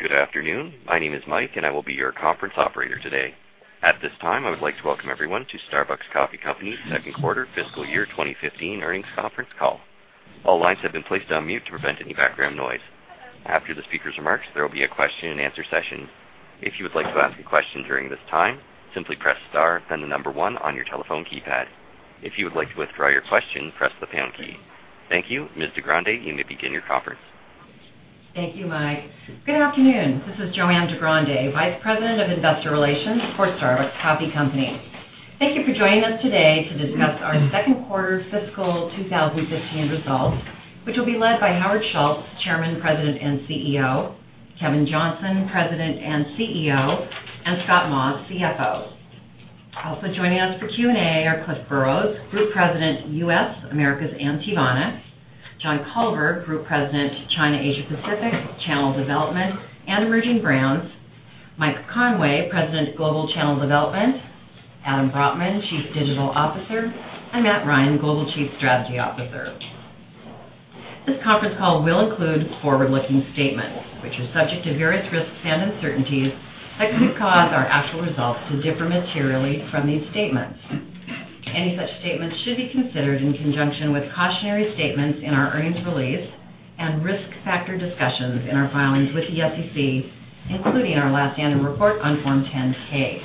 Good afternoon. My name is Mike, and I will be your conference operator today. At this time, I would like to welcome everyone to Starbucks Coffee Company's second quarter fiscal year 2015 earnings conference call. All lines have been placed on mute to prevent any background noise. After the speaker's remarks, there will be a question and answer session. If you would like to ask a question during this time, simply press star, then the number one on your telephone keypad. If you would like to withdraw your question, press the pound key. Thank you. Ms. DeGrande, you may begin your conference. Thank you, Mike. Good afternoon. This is JoAnn DeGrande, Vice President of Investor Relations for Starbucks Coffee Company. Thank you for joining us today to discuss our second quarter fiscal 2015 results, which will be led by Howard Schultz, Chairman, President, and CEO; Kevin Johnson, President and COO; and Scott Maw, CFO. Also joining us for Q&A are Cliff Burrows, Group President, U.S., Americas, and Teavana; John Culver, Group President, China, Asia Pacific, Channel Development, and Emerging Brands; Mike Conway, President, Global Channel Development; Adam Brotman, Chief Digital Officer; and Matt Ryan, Global Chief Strategy Officer. This conference call will include forward-looking statements, which are subject to various risks and uncertainties that could cause our actual results to differ materially from these statements. Any such statements should be considered in conjunction with cautionary statements in our earnings release and risk factor discussions in our filings with the SEC, including our last annual report on Form 10-K.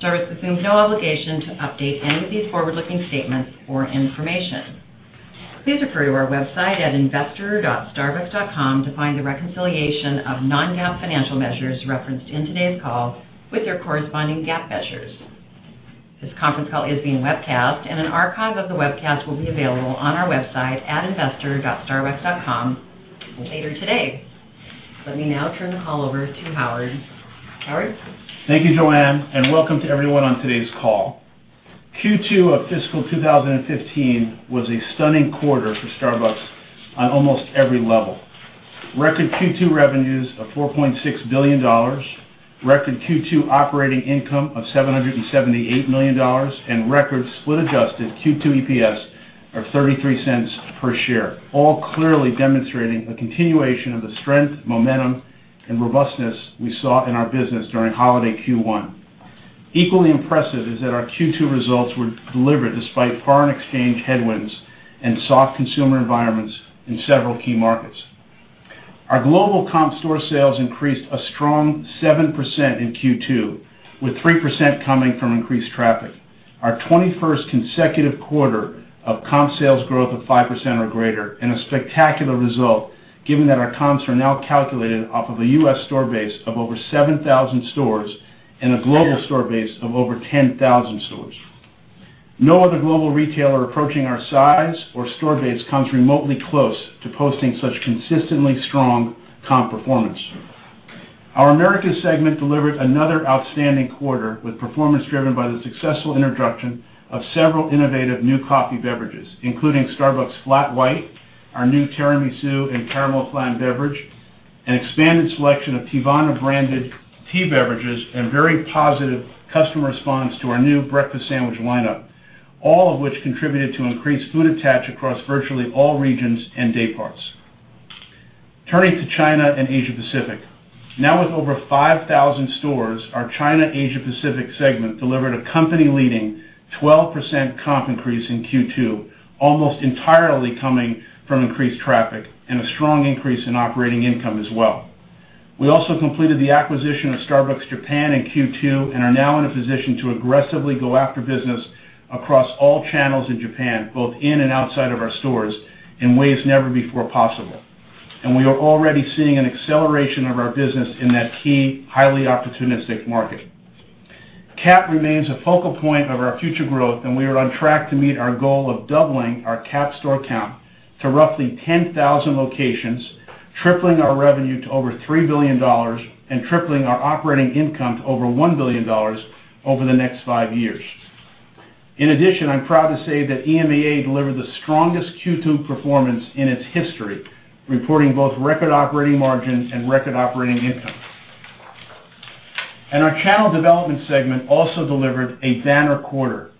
Starbucks assumes no obligation to update any of these forward-looking statements or information. Please refer to our website at investor.starbucks.com to find the reconciliation of non-GAAP financial measures referenced in today's call with their corresponding GAAP measures. This conference call is being webcast, and an archive of the webcast will be available on our website at investor.starbucks.com later today. Let me now turn the call over to Howard. Howard? Thank you, JoAnn, and welcome to everyone on today's call. Q2 of fiscal 2015 was a stunning quarter for Starbucks on almost every level. Record Q2 revenues of $4.6 billion, record Q2 operating income of $778 million, and record split adjusted Q2 EPS of $0.33 per share, all clearly demonstrating a continuation of the strength, momentum, and robustness we saw in our business during holiday Q1. Equally impressive is that our Q2 results were delivered despite foreign exchange headwinds and soft consumer environments in several key markets. Our global comp store sales increased a strong 7% in Q2, with 3% coming from increased traffic. Our 21st consecutive quarter of comp sales growth of 5% or greater, and a spectacular result given that our comps are now calculated off of a U.S. store base of over 7,000 stores and a global store base of over 10,000 stores. No other global retailer approaching our size or store base comes remotely close to posting such consistently strong comp performance. Our Americas segment delivered another outstanding quarter, with performance driven by the successful introduction of several innovative new coffee beverages, including Starbucks Flat White, our new Tiramisu, and Caramel Flan beverage, an expanded selection of Teavana branded tea beverages, and very positive customer response to our new breakfast sandwich lineup, all of which contributed to increased food attach across virtually all regions and day parts. Turning to China and Asia Pacific. Now with over 5,000 stores, our China Asia Pacific segment delivered a company leading 12% comp increase in Q2, almost entirely coming from increased traffic and a strong increase in operating income as well. We also completed the acquisition of Starbucks Japan in Q2 and are now in a position to aggressively go after business across all channels in Japan, both in and outside of our stores in ways never before possible. We are already seeing an acceleration of our business in that key, highly opportunistic market. CAP remains a focal point of our future growth. We are on track to meet our goal of doubling our CAP store count to roughly 10,000 locations, tripling our revenue to over $3 billion, and tripling our operating income to over $1 billion over the next five years. In addition, I'm proud to say that EMEA delivered the strongest Q2 performance in its history, reporting both record operating margins and record operating income. Our channel development segment also delivered a banner quarter,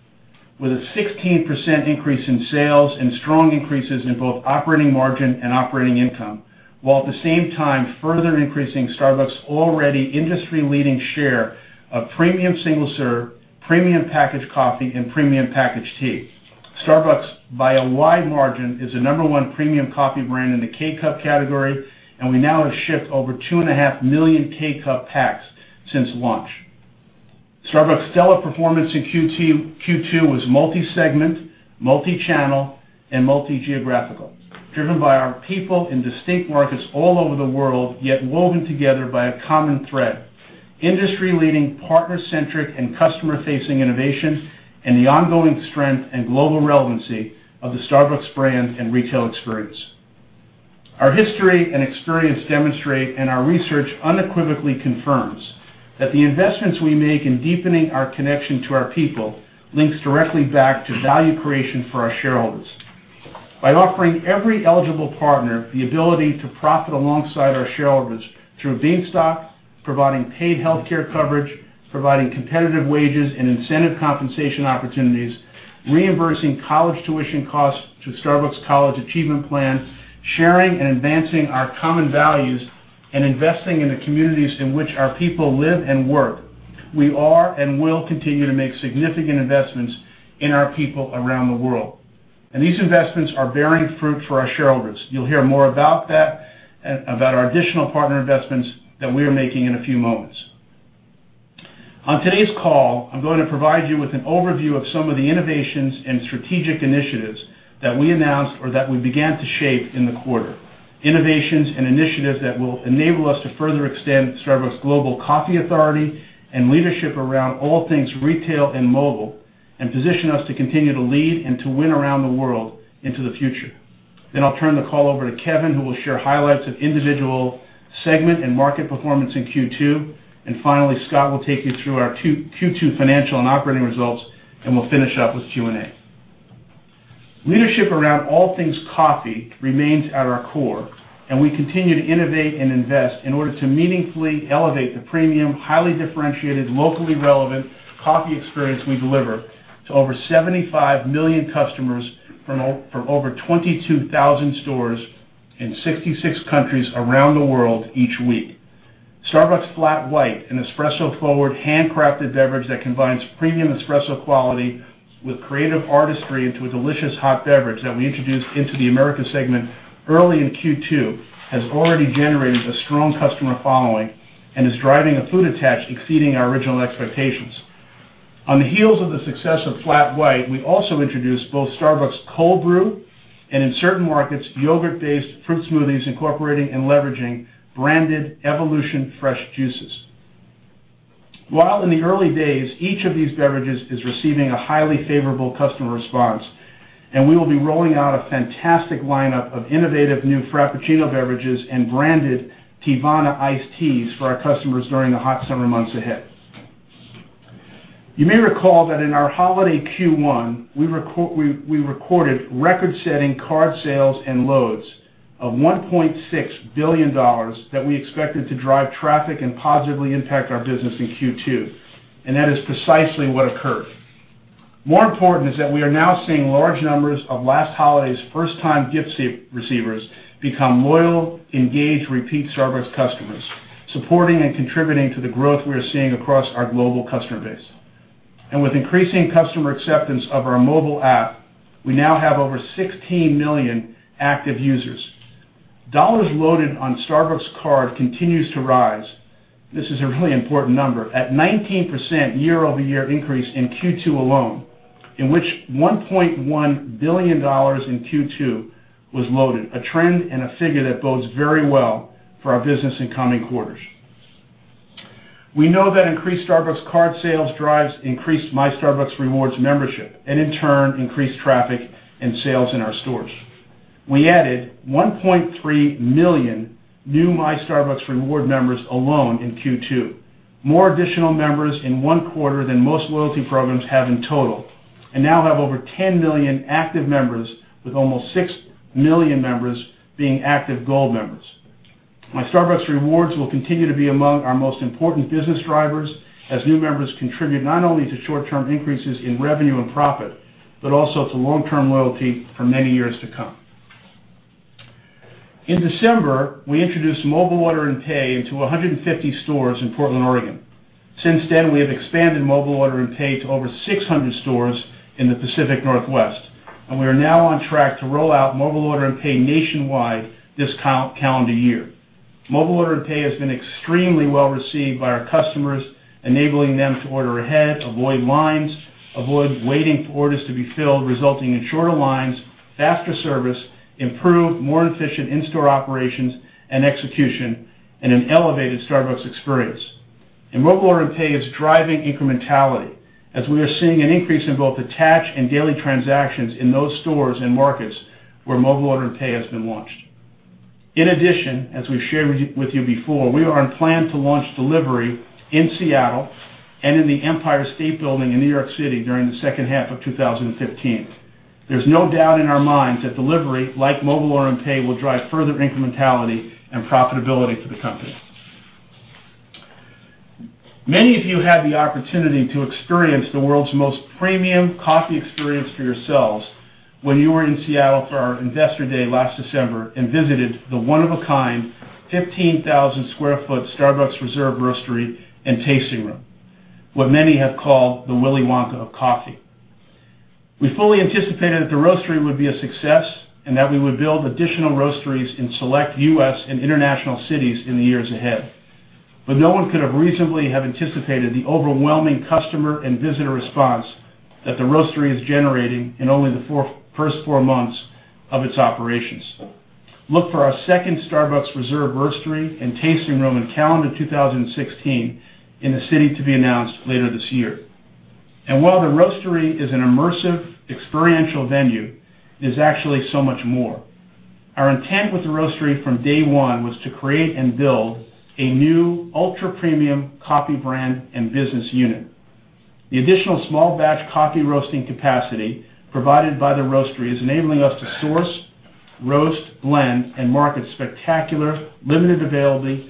with a 16% increase in sales and strong increases in both operating margin and operating income, while at the same time further increasing Starbucks' already industry-leading share of premium single-serve, premium packaged coffee, and premium packaged tea. Starbucks, by a wide margin, is the number one premium coffee brand in the K-Cup category. We now have shipped over 2.5 million K-Cup packs since launch. Starbucks' stellar performance in Q2 was multi-segment, multi-channel, and multi-geographical, driven by our people in distinct markets all over the world, yet woven together by a common thread, industry-leading partner-centric and customer-facing innovation, and the ongoing strength and global relevancy of the Starbucks brand and retail experience. Our history and experience demonstrate, our research unequivocally confirms, that the investments we make in deepening our connection to our people links directly back to value creation for our shareholders. By offering every eligible partner the ability to profit alongside our shareholders through Bean Stock, providing paid healthcare coverage, providing competitive wages and incentive compensation opportunities, reimbursing college tuition costs through Starbucks College Achievement Plan, sharing and advancing our common values, investing in the communities in which our people live and work. We are and will continue to make significant investments in our people around the world. These investments are bearing fruit for our shareholders. You'll hear more about that, about our additional partner investments that we are making in a few moments. On today's call, I'm going to provide you with an overview of some of the innovations and strategic initiatives that we announced or that we began to shape in the quarter. Innovations and initiatives that will enable us to further extend Starbucks' global coffee authority and leadership around all things retail and mobile, and position us to continue to lead and to win around the world into the future. I'll turn the call over to Kevin, who will share highlights of individual segment and market performance in Q2. Finally, Scott will take you through our Q2 financial and operating results, and we'll finish up with Q&A. Leadership around all things coffee remains at our core. We continue to innovate and invest in order to meaningfully elevate the premium, highly differentiated, locally relevant coffee experience we deliver to over 75 million customers from over 22,000 stores in 66 countries around the world each week. Starbucks Flat White, an espresso-forward, handcrafted beverage that combines premium espresso quality with creative artistry into a delicious hot beverage that we introduced into the Americas segment early in Q2, has already generated a strong customer following and is driving a food attach exceeding our original expectations. On the heels of the success of Flat White, we also introduced both Starbucks Cold Brew and, in certain markets, yogurt-based fruit smoothies incorporating and leveraging branded Evolution Fresh juices. While in the early days, each of these beverages is receiving a highly favorable customer response. We will be rolling out a fantastic lineup of innovative new Frappuccino beverages and branded Teavana Iced Teas for our customers during the hot summer months ahead. You may recall that in our holiday Q1, we recorded record-setting Card sales and loads of $1.6 billion that we expected to drive traffic and positively impact our business in Q2. That is precisely what occurred. More important is that we are now seeing large numbers of last holiday's first-time gift receivers become loyal, engaged, repeat Starbucks customers, supporting and contributing to the growth we are seeing across our global customer base. With increasing customer acceptance of our mobile app, we now have over 16 million active users. Dollars loaded on Starbucks Card continues to rise. This is a really important number. At 19% year-over-year increase in Q2 alone, in which $1.1 billion in Q2 was loaded, a trend and a figure that bodes very well for our business in coming quarters. We know that increased Starbucks Card sales drives increased My Starbucks Rewards membership, and in turn, increased traffic and sales in our stores. We added 1.3 million new My Starbucks Rewards members alone in Q2, more additional members in one quarter than most loyalty programs have in total, and now have over 10 million active members, with almost 6 million members being active Gold members. My Starbucks Rewards will continue to be among our most important business drivers as new members contribute not only to short-term increases in revenue and profit, but also to long-term loyalty for many years to come. In December, we introduced Mobile Order & Pay into 150 stores in Portland, Oregon. Since then, we have expanded Mobile Order & Pay to over 600 stores in the Pacific Northwest, and we are now on track to roll out Mobile Order & Pay nationwide this calendar year. Mobile Order & Pay has been extremely well-received by our customers, enabling them to order ahead, avoid lines, avoid waiting for orders to be filled, resulting in shorter lines, faster service, improved, more efficient in-store operations and execution, and an elevated Starbucks Experience. Mobile Order & Pay is driving incrementality as we are seeing an increase in both attach and daily transactions in those stores and markets where Mobile Order & Pay has been launched. In addition, as we've shared with you before, we are on plan to launch Delivery in Seattle and in the Empire State Building in New York City during the second half of 2015. There's no doubt in our minds that Delivery, like Mobile Order & Pay, will drive further incrementality and profitability for the company. Many of you had the opportunity to experience the world's most premium coffee experience for yourselves when you were in Seattle for our Investor Day last December and visited the one-of-a-kind 15,000 sq ft Starbucks Reserve Roastery and Tasting Room, what many have called the Willy Wonka of coffee. We fully anticipated that the roastery would be a success and that we would build additional roasteries in select U.S. and international cities in the years ahead. No one could have reasonably have anticipated the overwhelming customer and visitor response that the roastery is generating in only the first four months of its operations. Look for our second Starbucks Reserve Roastery and Tasting Room in calendar 2016 in a city to be announced later this year. While the roastery is an immersive experiential venue, it is actually so much more. Our intent with the Roastery from day one was to create and build a new ultra-premium coffee brand and business unit. The additional small batch coffee roasting capacity provided by the Roastery is enabling us to source, roast, blend, and market spectacular, limited availability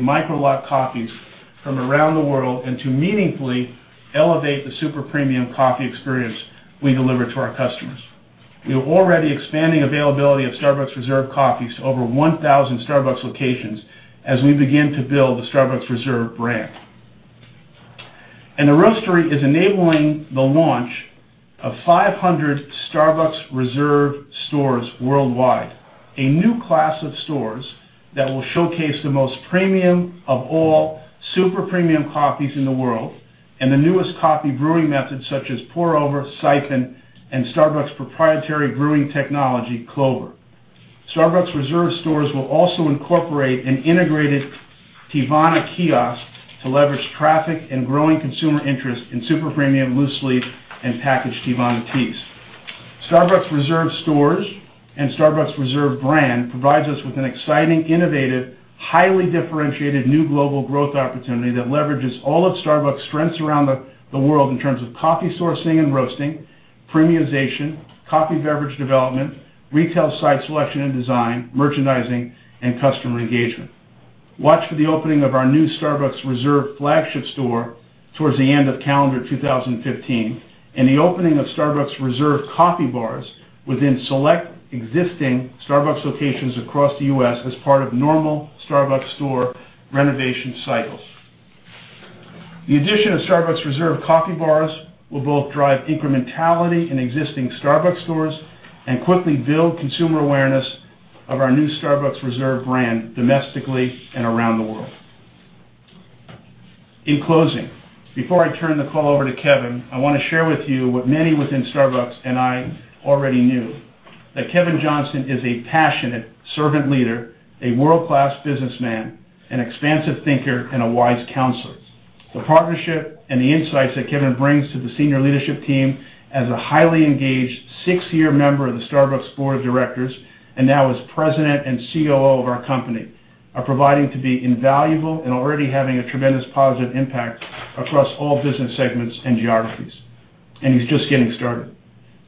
micro-lot coffees from around the world, and to meaningfully elevate the super-premium coffee experience we deliver to our customers. We are already expanding availability of Starbucks Reserve coffees to over 1,000 Starbucks locations as we begin to build the Starbucks Reserve brand. The Roastery is enabling the launch of 500 Starbucks Reserve stores worldwide, a new class of stores that will showcase the most premium of all super-premium coffees in the world, and the newest coffee brewing methods such as pour-over, siphon, and Starbucks' proprietary brewing technology, Clover. Starbucks Reserve stores will also incorporate an integrated Teavana kiosk to leverage traffic and growing consumer interest in super-premium loose leaf and packaged Teavana teas. Starbucks Reserve stores and Starbucks Reserve brand provides us with an exciting, innovative, highly differentiated new global growth opportunity that leverages all of Starbucks' strengths around the world in terms of coffee sourcing and roasting, premiumization, coffee beverage development, retail site selection and design, merchandising, and customer engagement. Watch for the opening of our new Starbucks Reserve flagship store towards the end of calendar 2015, and the opening of Starbucks Reserve coffee bars within select existing Starbucks locations across the U.S. as part of normal Starbucks store renovation cycles. The addition of Starbucks Reserve coffee bars will both drive incrementality in existing Starbucks stores and quickly build consumer awareness of our new Starbucks Reserve brand domestically and around the world. In closing, before I turn the call over to Kevin, I want to share with you what many within Starbucks and I already knew, that Kevin Johnson is a passionate servant leader, a world-class businessman, an expansive thinker, and a wise counselor. The partnership and the insights that Kevin brings to the senior leadership team as a highly engaged six-year member of the Starbucks board of directors, and now as President and COO of our company, are proving to be invaluable and already having a tremendous positive impact across all business segments and geographies. He's just getting started.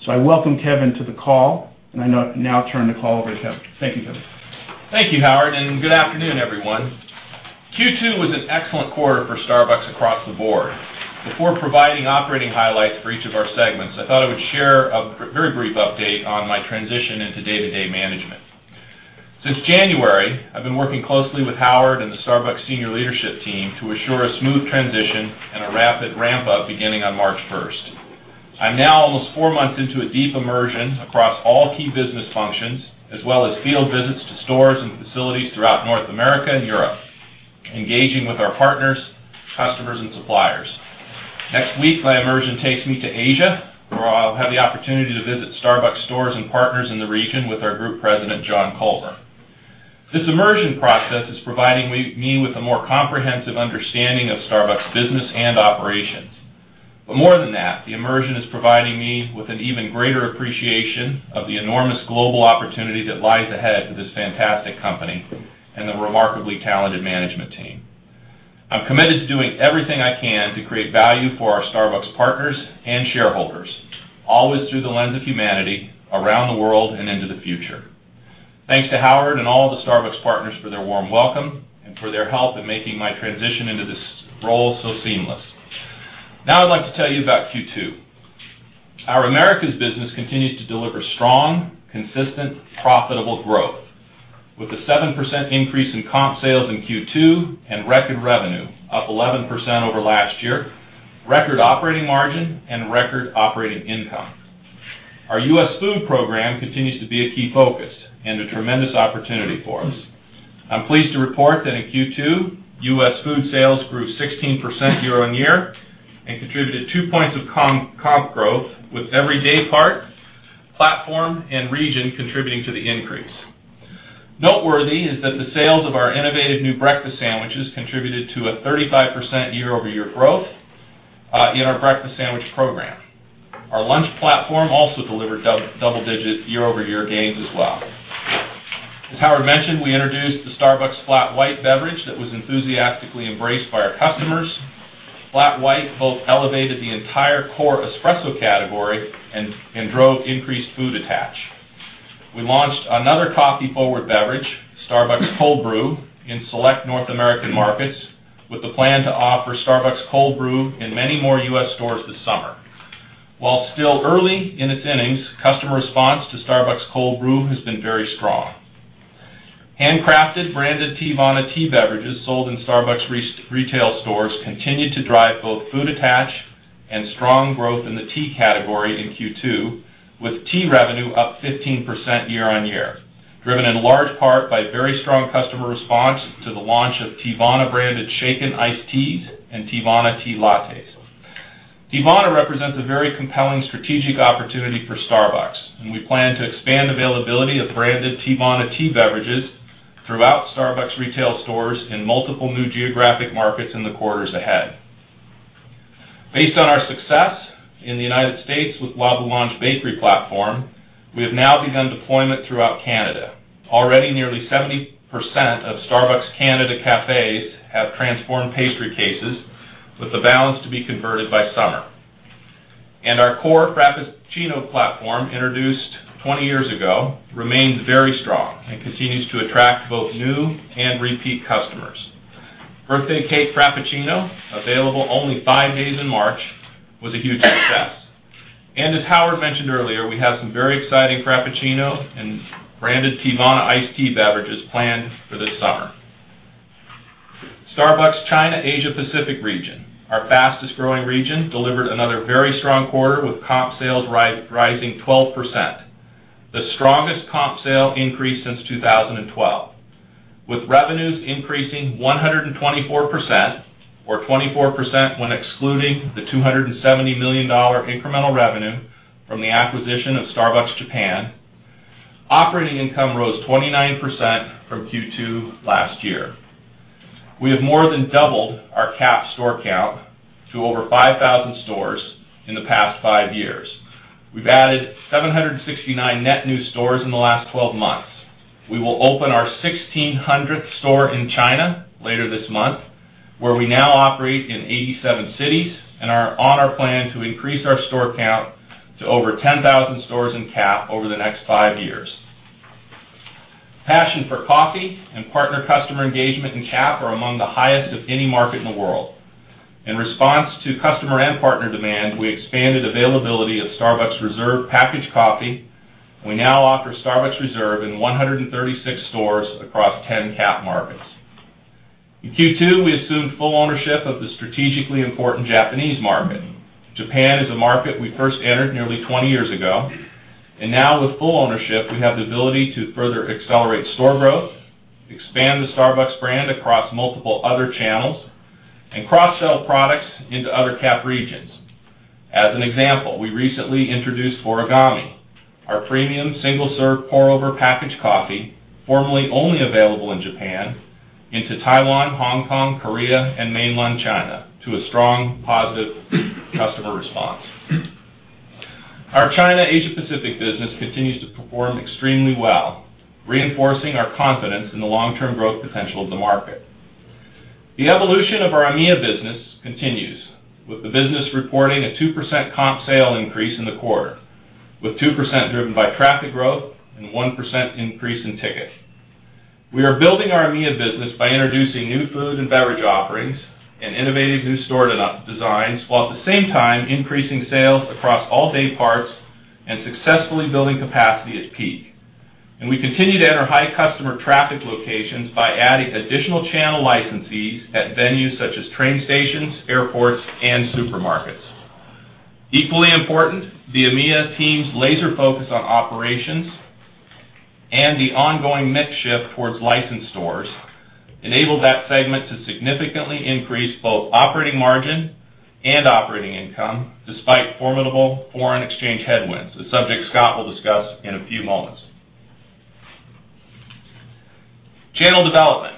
I welcome Kevin to the call, and I now turn the call over to Kevin. Thank you, Kevin. Thank you, Howard, and good afternoon, everyone. Q2 was an excellent quarter for Starbucks across the board. Before providing operating highlights for each of our segments, I thought I would share a very brief update on my transition into day-to-day management. Since January, I've been working closely with Howard and the Starbucks senior leadership team to assure a smooth transition and a rapid ramp-up beginning on March 1st. I'm now almost four months into a deep immersion across all key business functions, as well as field visits to stores and facilities throughout North America and Europe, engaging with our partners, customers, and suppliers. Next week, my immersion takes me to Asia, where I'll have the opportunity to visit Starbucks stores and partners in the region with our Group President, John Culver. This immersion process is providing me with a more comprehensive understanding of Starbucks' business and operations. More than that, the immersion is providing me with an even greater appreciation of the enormous global opportunity that lies ahead for this fantastic company and the remarkably talented management team. I'm committed to doing everything I can to create value for our Starbucks partners and shareholders, always through the lens of humanity, around the world and into the future. Thanks to Howard and all of the Starbucks partners for their warm welcome and for their help in making my transition into this role so seamless. I'd like to tell you about Q2. Our Americas business continues to deliver strong, consistent, profitable growth with a 7% increase in comp sales in Q2 and record revenue up 11% over last year, record operating margin, and record operating income. Our U.S. food program continues to be a key focus and a tremendous opportunity for us. I'm pleased to report that in Q2, U.S. food sales grew 16% year-on-year and contributed two points of comp growth, with every day part, platform, and region contributing to the increase. Noteworthy is that the sales of our innovative new breakfast sandwiches contributed to a 35% year-over-year growth in our breakfast sandwich program. Our lunch platform also delivered double-digit year-over-year gains as well. As Howard mentioned, we introduced the Starbucks Flat White beverage that was enthusiastically embraced by our customers. Flat White both elevated the entire core espresso category and drove increased food attach. We launched another coffee-forward beverage, Starbucks Cold Brew, in select North American markets, with the plan to offer Starbucks Cold Brew in many more U.S. stores this summer. While still early in its innings, customer response to Starbucks Cold Brew has been very strong. Handcrafted branded Teavana tea beverages sold in Starbucks retail stores continued to drive both food attach and strong growth in the tea category in Q2, with tea revenue up 15% year-on-year, driven in large part by very strong customer response to the launch of Teavana-branded shaken iced teas and Teavana Tea Lattes. Teavana represents a very compelling strategic opportunity for Starbucks, and we plan to expand availability of branded Teavana tea beverages throughout Starbucks retail stores in multiple new geographic markets in the quarters ahead. Based on our success in the United States with La Boulange bakery platform, we have now begun deployment throughout Canada. Already, nearly 70% of Starbucks Canada cafes have transformed pastry cases, with the balance to be converted by summer. Our core Frappuccino platform, introduced 20 years ago, remains very strong and continues to attract both new and repeat customers. Birthday Cake Frappuccino, available only five days in March, was a huge success. As Howard mentioned earlier, we have some very exciting Frappuccino and branded Teavana iced tea beverages planned for this summer. Starbucks China Asia Pacific region, our fastest-growing region, delivered another very strong quarter with comp sales rising 12%, the strongest comp sale increase since 2012. With revenues increasing 124%, or 24% when excluding the $270 million incremental revenue from the acquisition of Starbucks Japan, operating income rose 29% from Q2 last year. We have more than doubled our CAP store count to over 5,000 stores in the past five years. We've added 769 net new stores in the last 12 months. We will open our 1,600th store in China later this month, where we now operate in 87 cities, are on our plan to increase our store count to over 10,000 stores in CAP over the next five years. Passion for coffee and partner-customer engagement in CAP are among the highest of any market in the world. In response to customer and partner demand, we expanded availability of Starbucks Reserve packaged coffee. We now offer Starbucks Reserve in 136 stores across 10 CAP markets. In Q2, we assumed full ownership of the strategically important Japanese market. Japan is a market we first entered nearly 20 years ago, and now with full ownership, we have the ability to further accelerate store growth, expand the Starbucks brand across multiple other channels, and cross-sell products into other CAP regions. As an example, we recently introduced Origami, our premium single-serve pour-over packaged coffee, formerly only available in Japan, into Taiwan, Hong Kong, Korea, and mainland China to a strong, positive customer response. Our China Asia Pacific business continues to perform extremely well, reinforcing our confidence in the long-term growth potential of the market. The evolution of our EMEA business continues, with the business reporting a 2% comp sale increase in the quarter, with 2% driven by traffic growth and 1% increase in ticket. We continue to enter high customer traffic locations by adding additional channel licensees at venues such as train stations, airports, and supermarkets. Equally important, the EMEA team's laser focus on operations and the ongoing mix shift towards licensed stores enabled that segment to significantly increase both operating margin and operating income, despite formidable foreign exchange headwinds, a subject Scott will discuss in a few moments. Channel development.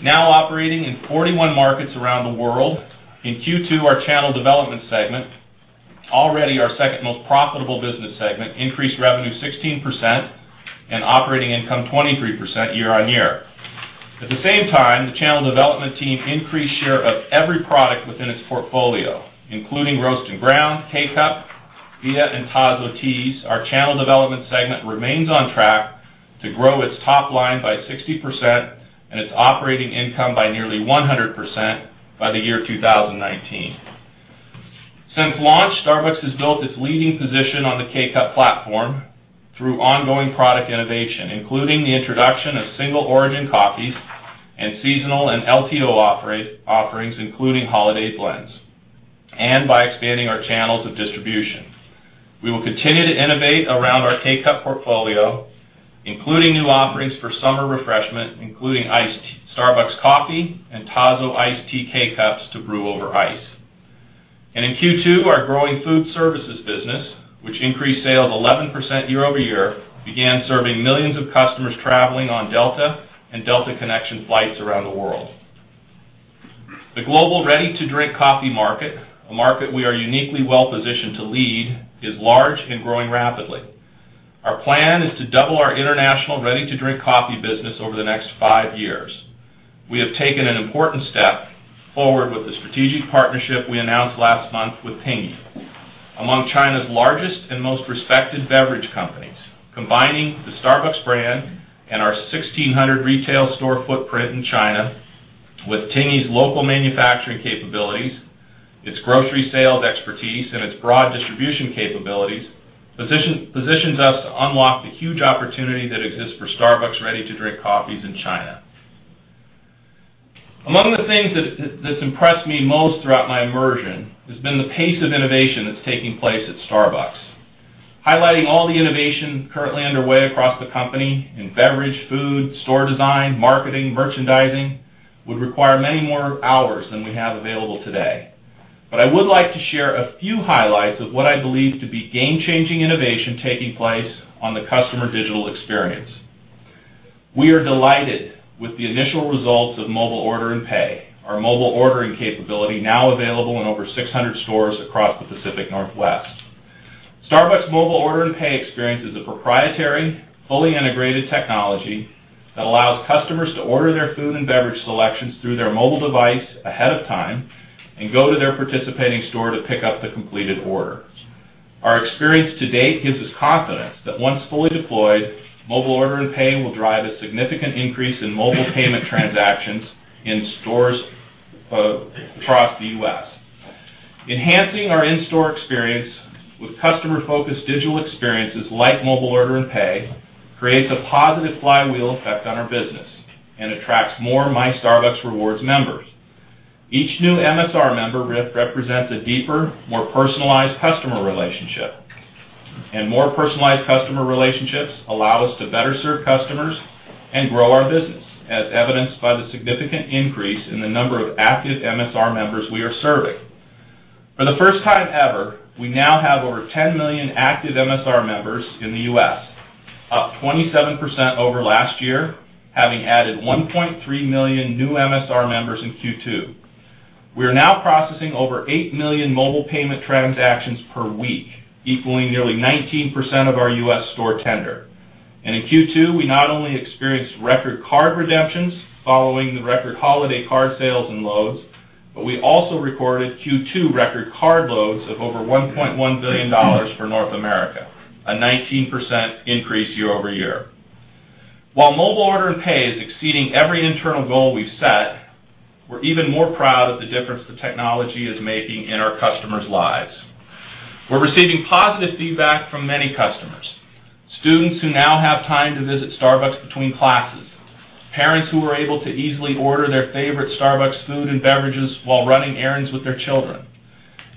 Now operating in 41 markets around the world, in Q2, our channel development segment, already our second most profitable business segment, increased revenue 16% and operating income 23% year-on-year. At the same time, the channel development team increased share of every product within its portfolio, including Roast & Ground, K-Cup, VIA, and Tazo Teas. Our channel development segment remains on track to grow its top line by 60% and its operating income by nearly 100% by the year 2019. Since launch, Starbucks has built its leading position on the K-Cup platform through ongoing product innovation, including the introduction of single-origin coffees and seasonal and LTO offerings, including holiday blends, and by expanding our channels of distribution. We will continue to innovate around our K-Cup portfolio, including new offerings for summer refreshment, including iced Starbucks coffee and Tazo iced tea K-Cups to brew over ice. In Q2, our growing food services business, which increased sales 11% year-over-year, began serving millions of customers traveling on Delta and Delta Connection flights around the world. The global ready-to-drink coffee market, a market we are uniquely well-positioned to lead, is large and growing rapidly. Our plan is to double our international ready-to-drink coffee business over the next five years. We have taken an important step forward with the strategic partnership we announced last month with Tingyi, among China's largest and most respected beverage companies. Combining the Starbucks brand and our 1,600 retail store footprint in China with Tingyi's local manufacturing capabilities, its grocery sales expertise, and its broad distribution capabilities, positions us to unlock the huge opportunity that exists for Starbucks ready-to-drink coffees in China. Among the things that's impressed me most throughout my immersion has been the pace of innovation that's taking place at Starbucks. Highlighting all the innovation currently underway across the company in beverage, food, store design, marketing, merchandising would require many more hours than we have available today. I would like to share a few highlights of what I believe to be game-changing innovation taking place on the customer digital experience. We are delighted with the initial results of Mobile Order & Pay, our mobile ordering capability now available in over 600 stores across the Pacific Northwest. Starbucks Mobile Order & Pay experience is a proprietary, fully integrated technology that allows customers to order their food and beverage selections through their mobile device ahead of time and go to their participating store to pick up the completed order. Our experience to date gives us confidence that once fully deployed, Mobile Order & Pay will drive a significant increase in mobile payment transactions in stores across the U.S. Enhancing our in-store experience with customer-focused digital experiences like Mobile Order & Pay creates a positive flywheel effect on our business and attracts more My Starbucks Rewards members. Each new MSR member represents a deeper, more personalized customer relationship, and more personalized customer relationships allow us to better serve customers and grow our business, as evidenced by the significant increase in the number of active MSR members we are serving. For the first time ever, we now have over 10 million active MSR members in the U.S., up 27% over last year, having added 1.3 million new MSR members in Q2. We are now processing over 8 million mobile payment transactions per week, equaling nearly 19% of our U.S. store tender. In Q2, we not only experienced record card redemptions following the record holiday card sales and loads, but we also recorded Q2 record card loads of over $1.1 billion for North America, a 19% increase year-over-year. While Mobile Order & Pay is exceeding every internal goal we've set, we're even more proud of the difference the technology is making in our customers' lives. We're receiving positive feedback from many customers. Students who now have time to visit Starbucks between classes, parents who are able to easily order their favorite Starbucks food and beverages while running errands with their children,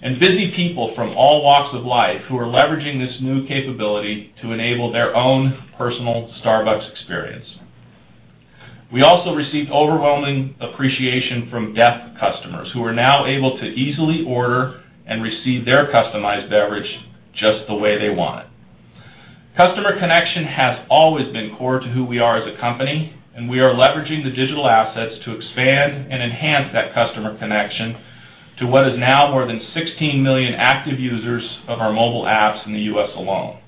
and busy people from all walks of life who are leveraging this new capability to enable their own personal Starbucks experience. We also received overwhelming appreciation from deaf customers who are now able to easily order and receive their customized beverage just the way they want it. Customer connection has always been core to who we are as a company, and we are leveraging the digital assets to expand and enhance that customer connection to what is now more than 16 million active users of our mobile apps in the U.S. alone.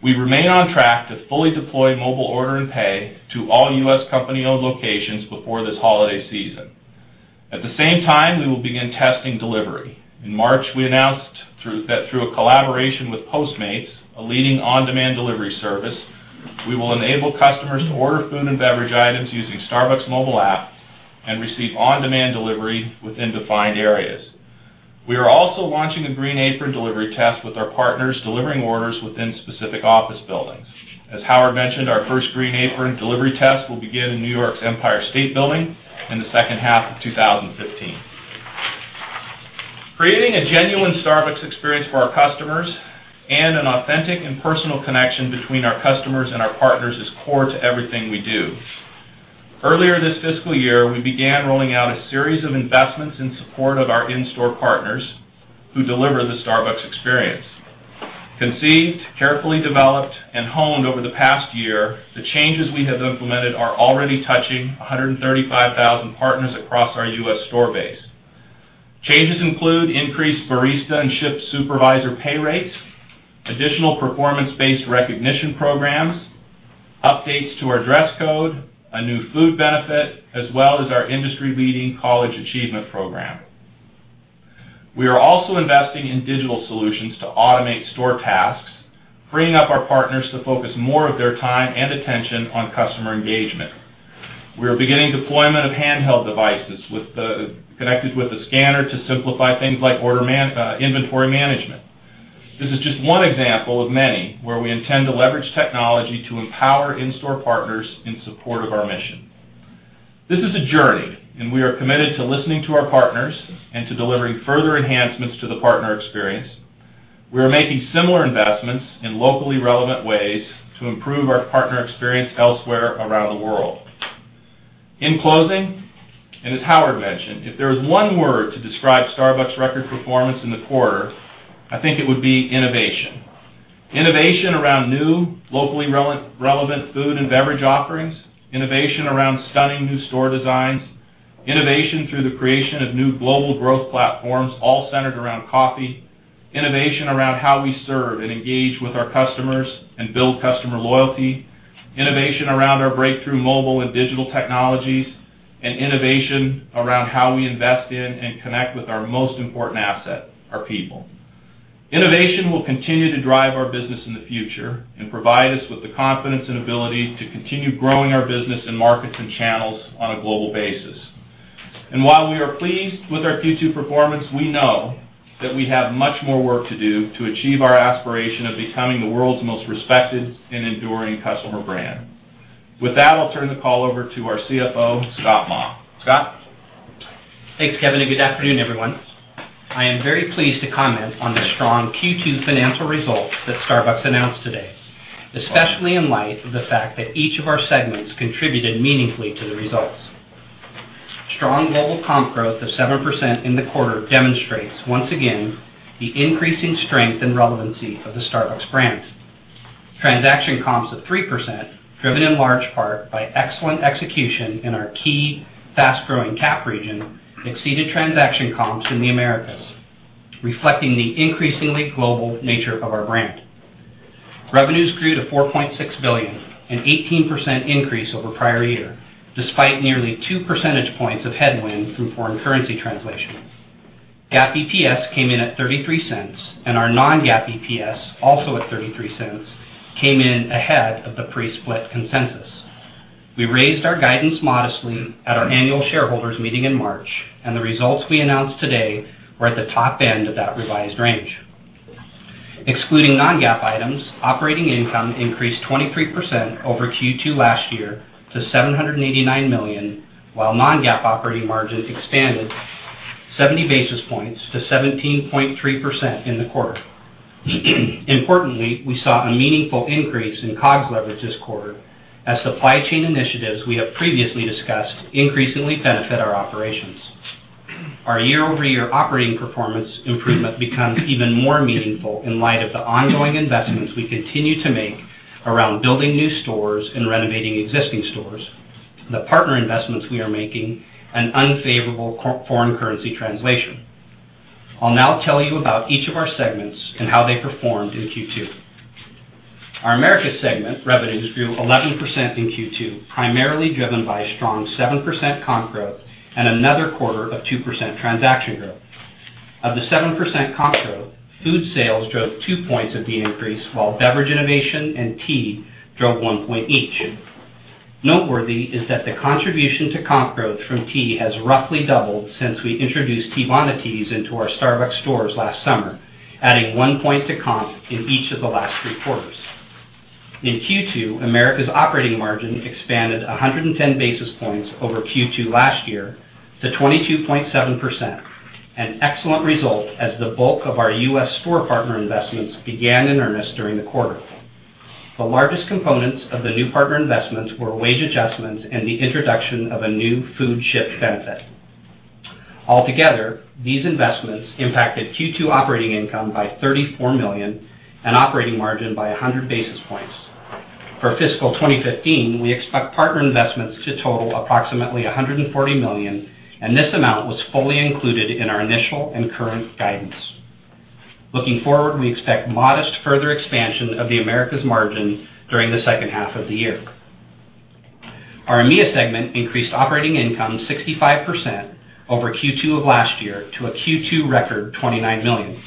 We remain on track to fully deploy Mobile Order & Pay to all U.S. company-owned locations before this holiday season. At the same time, we will begin testing delivery. In March, we announced that through a collaboration with Postmates, a leading on-demand delivery service, we will enable customers to order food and beverage items using Starbucks mobile app and receive on-demand delivery within defined areas. We are also launching a Green Apron Delivery test with our partners, delivering orders within specific office buildings. As Howard mentioned, our first Green Apron Delivery test will begin in New York's Empire State Building in the second half of 2015. Creating a genuine Starbucks experience for our customers and an authentic and personal connection between our customers and our partners is core to everything we do. Earlier this fiscal year, we began rolling out a series of investments in support of our in-store partners who deliver the Starbucks experience. Conceived, carefully developed, and honed over the past year, the changes we have implemented are already touching 135,000 partners across our U.S. store base. Changes include increased barista and shift supervisor pay rates, additional performance-based recognition programs, updates to our dress code, a new food benefit, as well as our industry-leading Starbucks College Achievement Plan. We are also investing in digital solutions to automate store tasks, freeing up our partners to focus more of their time and attention on customer engagement. We are beginning deployment of handheld devices connected with a scanner to simplify things like inventory management. This is just one example of many where we intend to leverage technology to empower in-store partners in support of our mission. This is a journey, and we are committed to listening to our partners and to delivering further enhancements to the partner experience. We are making similar investments in locally relevant ways to improve our partner experience elsewhere around the world. In closing, and as Howard mentioned, if there was one word to describe Starbucks' record performance in the quarter, I think it would be innovation. Innovation around new, locally relevant food and beverage offerings, innovation around stunning new store designs, innovation through the creation of new global growth platforms all centered around coffee, innovation around how we serve and engage with our customers and build customer loyalty, innovation around our breakthrough mobile and digital technologies, and innovation around how we invest in and connect with our most important asset, our people. Innovation will continue to drive our business in the future and provide us with the confidence and ability to continue growing our business in markets and channels on a global basis. While we are pleased with our Q2 performance, we know that we have much more work to do to achieve our aspiration of becoming the world's most respected and enduring customer brand. With that, I'll turn the call over to our CFO, Scott Maw. Scott? Thanks, Kevin, and good afternoon, everyone. I am very pleased to comment on the strong Q2 financial results that Starbucks announced today, especially in light of the fact that each of our segments contributed meaningfully to the results. Strong global comp growth of 7% in the quarter demonstrates, once again, the increasing strength and relevancy of the Starbucks brand. Transaction comps of 3%, driven in large part by excellent execution in our key fast-growing CAP region, exceeded transaction comps in the Americas, reflecting the increasingly global nature of our brand. Revenues grew to $4.6 billion, an 18% increase over prior year, despite nearly two percentage points of headwind through foreign currency translation. GAAP EPS came in at $0.33, and our non-GAAP EPS, also at $0.33, came in ahead of the pre-split consensus. We raised our guidance modestly at our annual shareholders meeting in March, and the results we announced today were at the top end of that revised range. Excluding non-GAAP items, operating income increased 23% over Q2 last year to $789 million, while non-GAAP operating margin expanded 70 basis points to 17.3% in the quarter. Importantly, we saw a meaningful increase in COGS leverage this quarter as supply chain initiatives we have previously discussed increasingly benefit our operations. Our year-over-year operating performance improvement becomes even more meaningful in light of the ongoing investments we continue to make around building new stores and renovating existing stores, the partner investments we are making, and unfavorable foreign currency translation. I'll now tell you about each of our segments and how they performed in Q2. Our Americas segment revenues grew 11% in Q2, primarily driven by strong 7% comp growth and another quarter of 2% transaction growth. Of the 7% comp growth, food sales drove two points of the increase, while innovation and tea drove one point each. Noteworthy is that the contribution to comp growth from tea has roughly doubled since we introduced Teavana teas into our Starbucks stores last summer, adding one point to comp in each of the last three quarters. In Q2, Americas operating margin expanded 110 basis points over Q2 last year to 22.7%, an excellent result as the bulk of our U.S. store partner investments began in earnest during the quarter. The largest components of the new partner investments were wage adjustments and the introduction of a new food shift benefit. Altogether, these investments impacted Q2 operating income by $34 million and operating margin by 100 basis points. For fiscal 2015, we expect partner investments to total approximately $140 million. This amount was fully included in our initial and current guidance. Looking forward, we expect modest further expansion of the Americas margin during the second half of the year. Our EMEA segment increased operating income 65% over Q2 of last year to a Q2 record $29 million.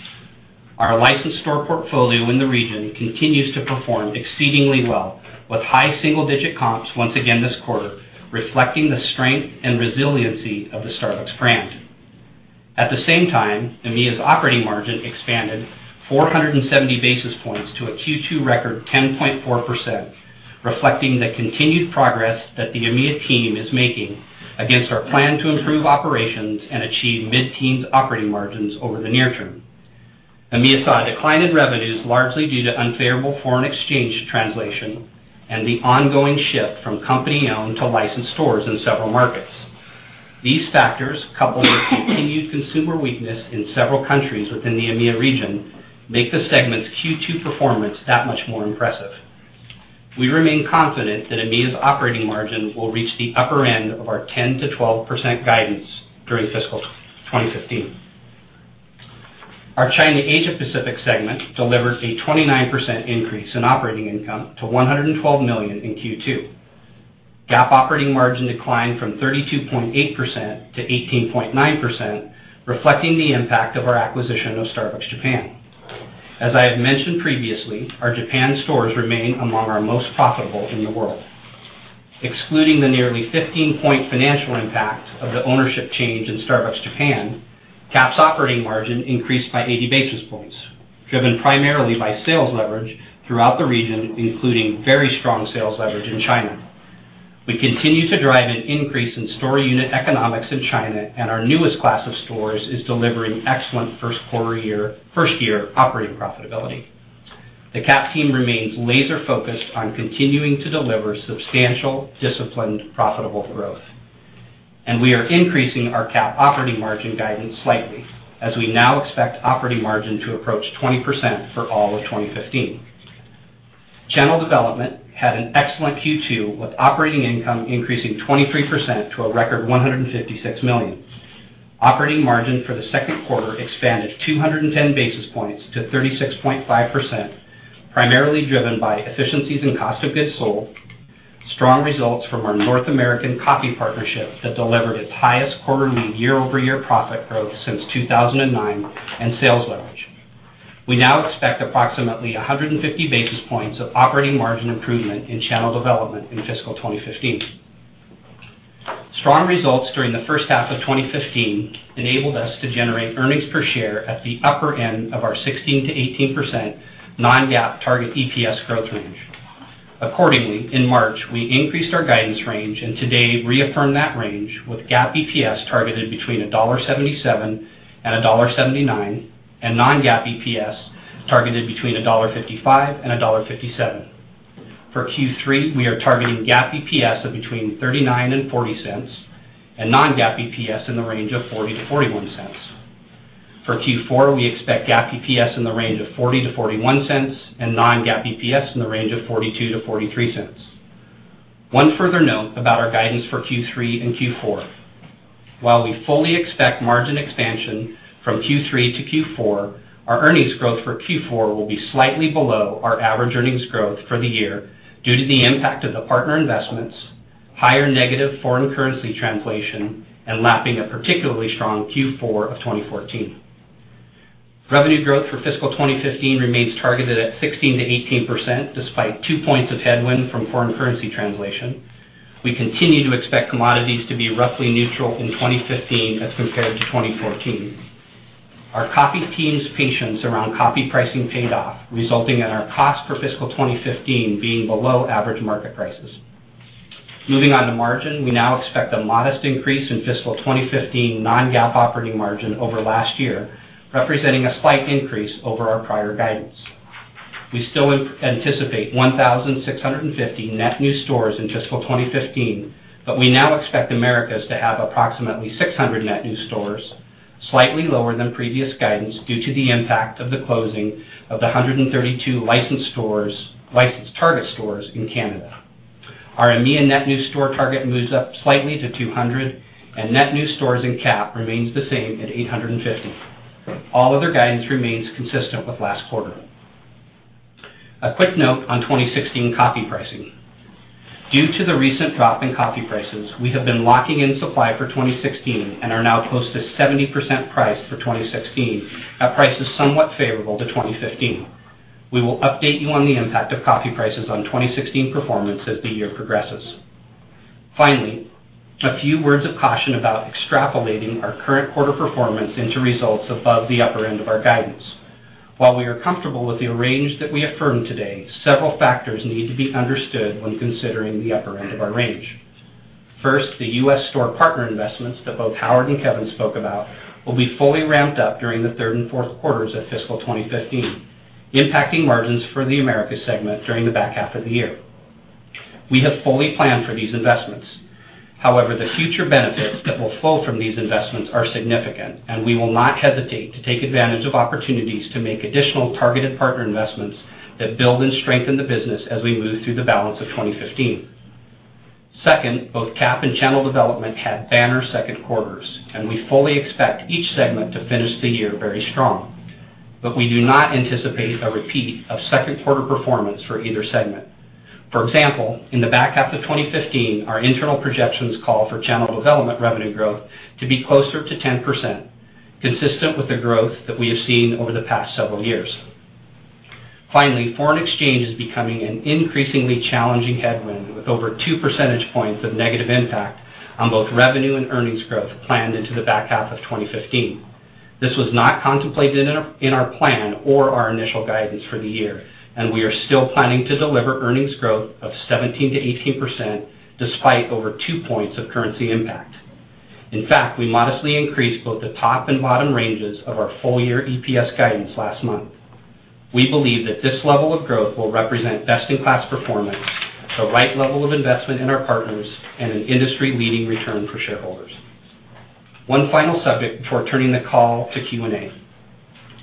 Our licensed store portfolio in the region continues to perform exceedingly well with high single-digit comps once again this quarter, reflecting the strength and resiliency of the Starbucks brand. At the same time, EMEA's operating margin expanded 470 basis points to a Q2 record 10.4%, reflecting the continued progress that the EMEA team is making against our plan to improve operations and achieve mid-teens operating margins over the near term. EMEA saw a decline in revenues largely due to unfavorable foreign exchange translation and the ongoing shift from company-owned to licensed stores in several markets. These factors, coupled with continued consumer weakness in several countries within the EMEA region, make the segment's Q2 performance that much more impressive. We remain confident that EMEA's operating margin will reach the upper end of our 10%-12% guidance during fiscal 2015. Our China Asia Pacific segment delivered a 29% increase in operating income to $112 million in Q2. GAAP operating margin declined from 32.8% to 18.9%, reflecting the impact of our acquisition of Starbucks Japan. As I have mentioned previously, our Japan stores remain among our most profitable in the world. Excluding the nearly 15-point financial impact of the ownership change in Starbucks Japan, CAP's operating margin increased by 80 basis points, driven primarily by sales leverage throughout the region, including very strong sales leverage in China. We continue to drive an increase in store unit economics in China. Our newest class of stores is delivering excellent first-year operating profitability. The CAP team remains laser-focused on continuing to deliver substantial, disciplined, profitable growth. We are increasing our CAP operating margin guidance slightly, as we now expect operating margin to approach 20% for all of 2015. Channel development had an excellent Q2, with operating income increasing 23% to a record $156 million. Operating margin for the second quarter expanded 210 basis points to 36.5%, primarily driven by efficiencies in cost of goods sold, strong results from our North American coffee partnership that delivered its highest quarterly year-over-year profit growth since 2009, and sales leverage. We now expect approximately 150 basis points of operating margin improvement in Channel Development in fiscal 2015. Strong results during the first half of 2015 enabled us to generate earnings per share at the upper end of our 16%-18% non-GAAP target EPS growth range. Accordingly, in March, we increased our guidance range. Today reaffirmed that range with GAAP EPS targeted between $1.77 and $1.79. Non-GAAP EPS targeted between $1.55 and $1.57. For Q3, we are targeting GAAP EPS of between $0.39 and $0.40. Non-GAAP EPS in the range of $0.40 to $0.41. For Q4, we expect GAAP EPS in the range of $0.40 to $0.41. Non-GAAP EPS in the range of $0.42 to $0.43. One further note about our guidance for Q3 and Q4. While we fully expect margin expansion from Q3 to Q4, our earnings growth for Q4 will be slightly below our average earnings growth for the year due to the impact of the partner investments, higher negative foreign currency translation, and lapping a particularly strong Q4 of 2014. Revenue growth for fiscal 2015 remains targeted at 16%-18%, despite 2 points of headwind from foreign currency translation. We continue to expect commodities to be roughly neutral in 2015 as compared to 2014. Our coffee team's patience around coffee pricing paid off, resulting in our cost for fiscal 2015 being below average market prices. Moving on to margin, we now expect a modest increase in fiscal 2015 non-GAAP operating margin over last year, representing a slight increase over our prior guidance. We still anticipate 1,650 net new stores in fiscal 2015. We now expect Americas to have approximately 600 net new stores, slightly lower than previous guidance due to the impact of the closing of the 132 licensed Target stores in Canada. Our EMEA net new store target moves up slightly to 200. Net new stores in CAP remains the same at 850. All other guidance remains consistent with last quarter. A quick note on 2016 coffee pricing. Due to the recent drop in coffee prices, we have been locking in supply for 2016 and are now close to 70% priced for 2016 at prices somewhat favorable to 2015. We will update you on the impact of coffee prices on 2016 performance as the year progresses. Finally, a few words of caution about extrapolating our current quarter performance into results above the upper end of our guidance. While we are comfortable with the range that we affirmed today, several factors need to be understood when considering the upper end of our range. First, the U.S. store partner investments that both Howard and Kevin spoke about will be fully ramped up during the third and fourth quarters of fiscal 2015, impacting margins for the Americas segment during the back half of the year. We have fully planned for these investments. The future benefits that will flow from these investments are significant, and we will not hesitate to take advantage of opportunities to make additional targeted partner investments that build and strengthen the business as we move through the balance of 2015. Second, both CAP and Channel Development had banner second quarters, and we fully expect each segment to finish the year very strong. We do not anticipate a repeat of second quarter performance for either segment. For example, in the back half of 2015, our internal projections call for Channel Development revenue growth to be closer to 10%, consistent with the growth that we have seen over the past several years. Finally, foreign exchange is becoming an increasingly challenging headwind, with over two percentage points of negative impact on both revenue and earnings growth planned into the back half of 2015. This was not contemplated in our plan or our initial guidance for the year, and we are still planning to deliver earnings growth of 17%-18% despite over two points of currency impact. In fact, we modestly increased both the top and bottom ranges of our full-year EPS guidance last month. We believe that this level of growth will represent best-in-class performance, the right level of investment in our partners, and an industry-leading return for shareholders. One final subject before turning the call to Q&A.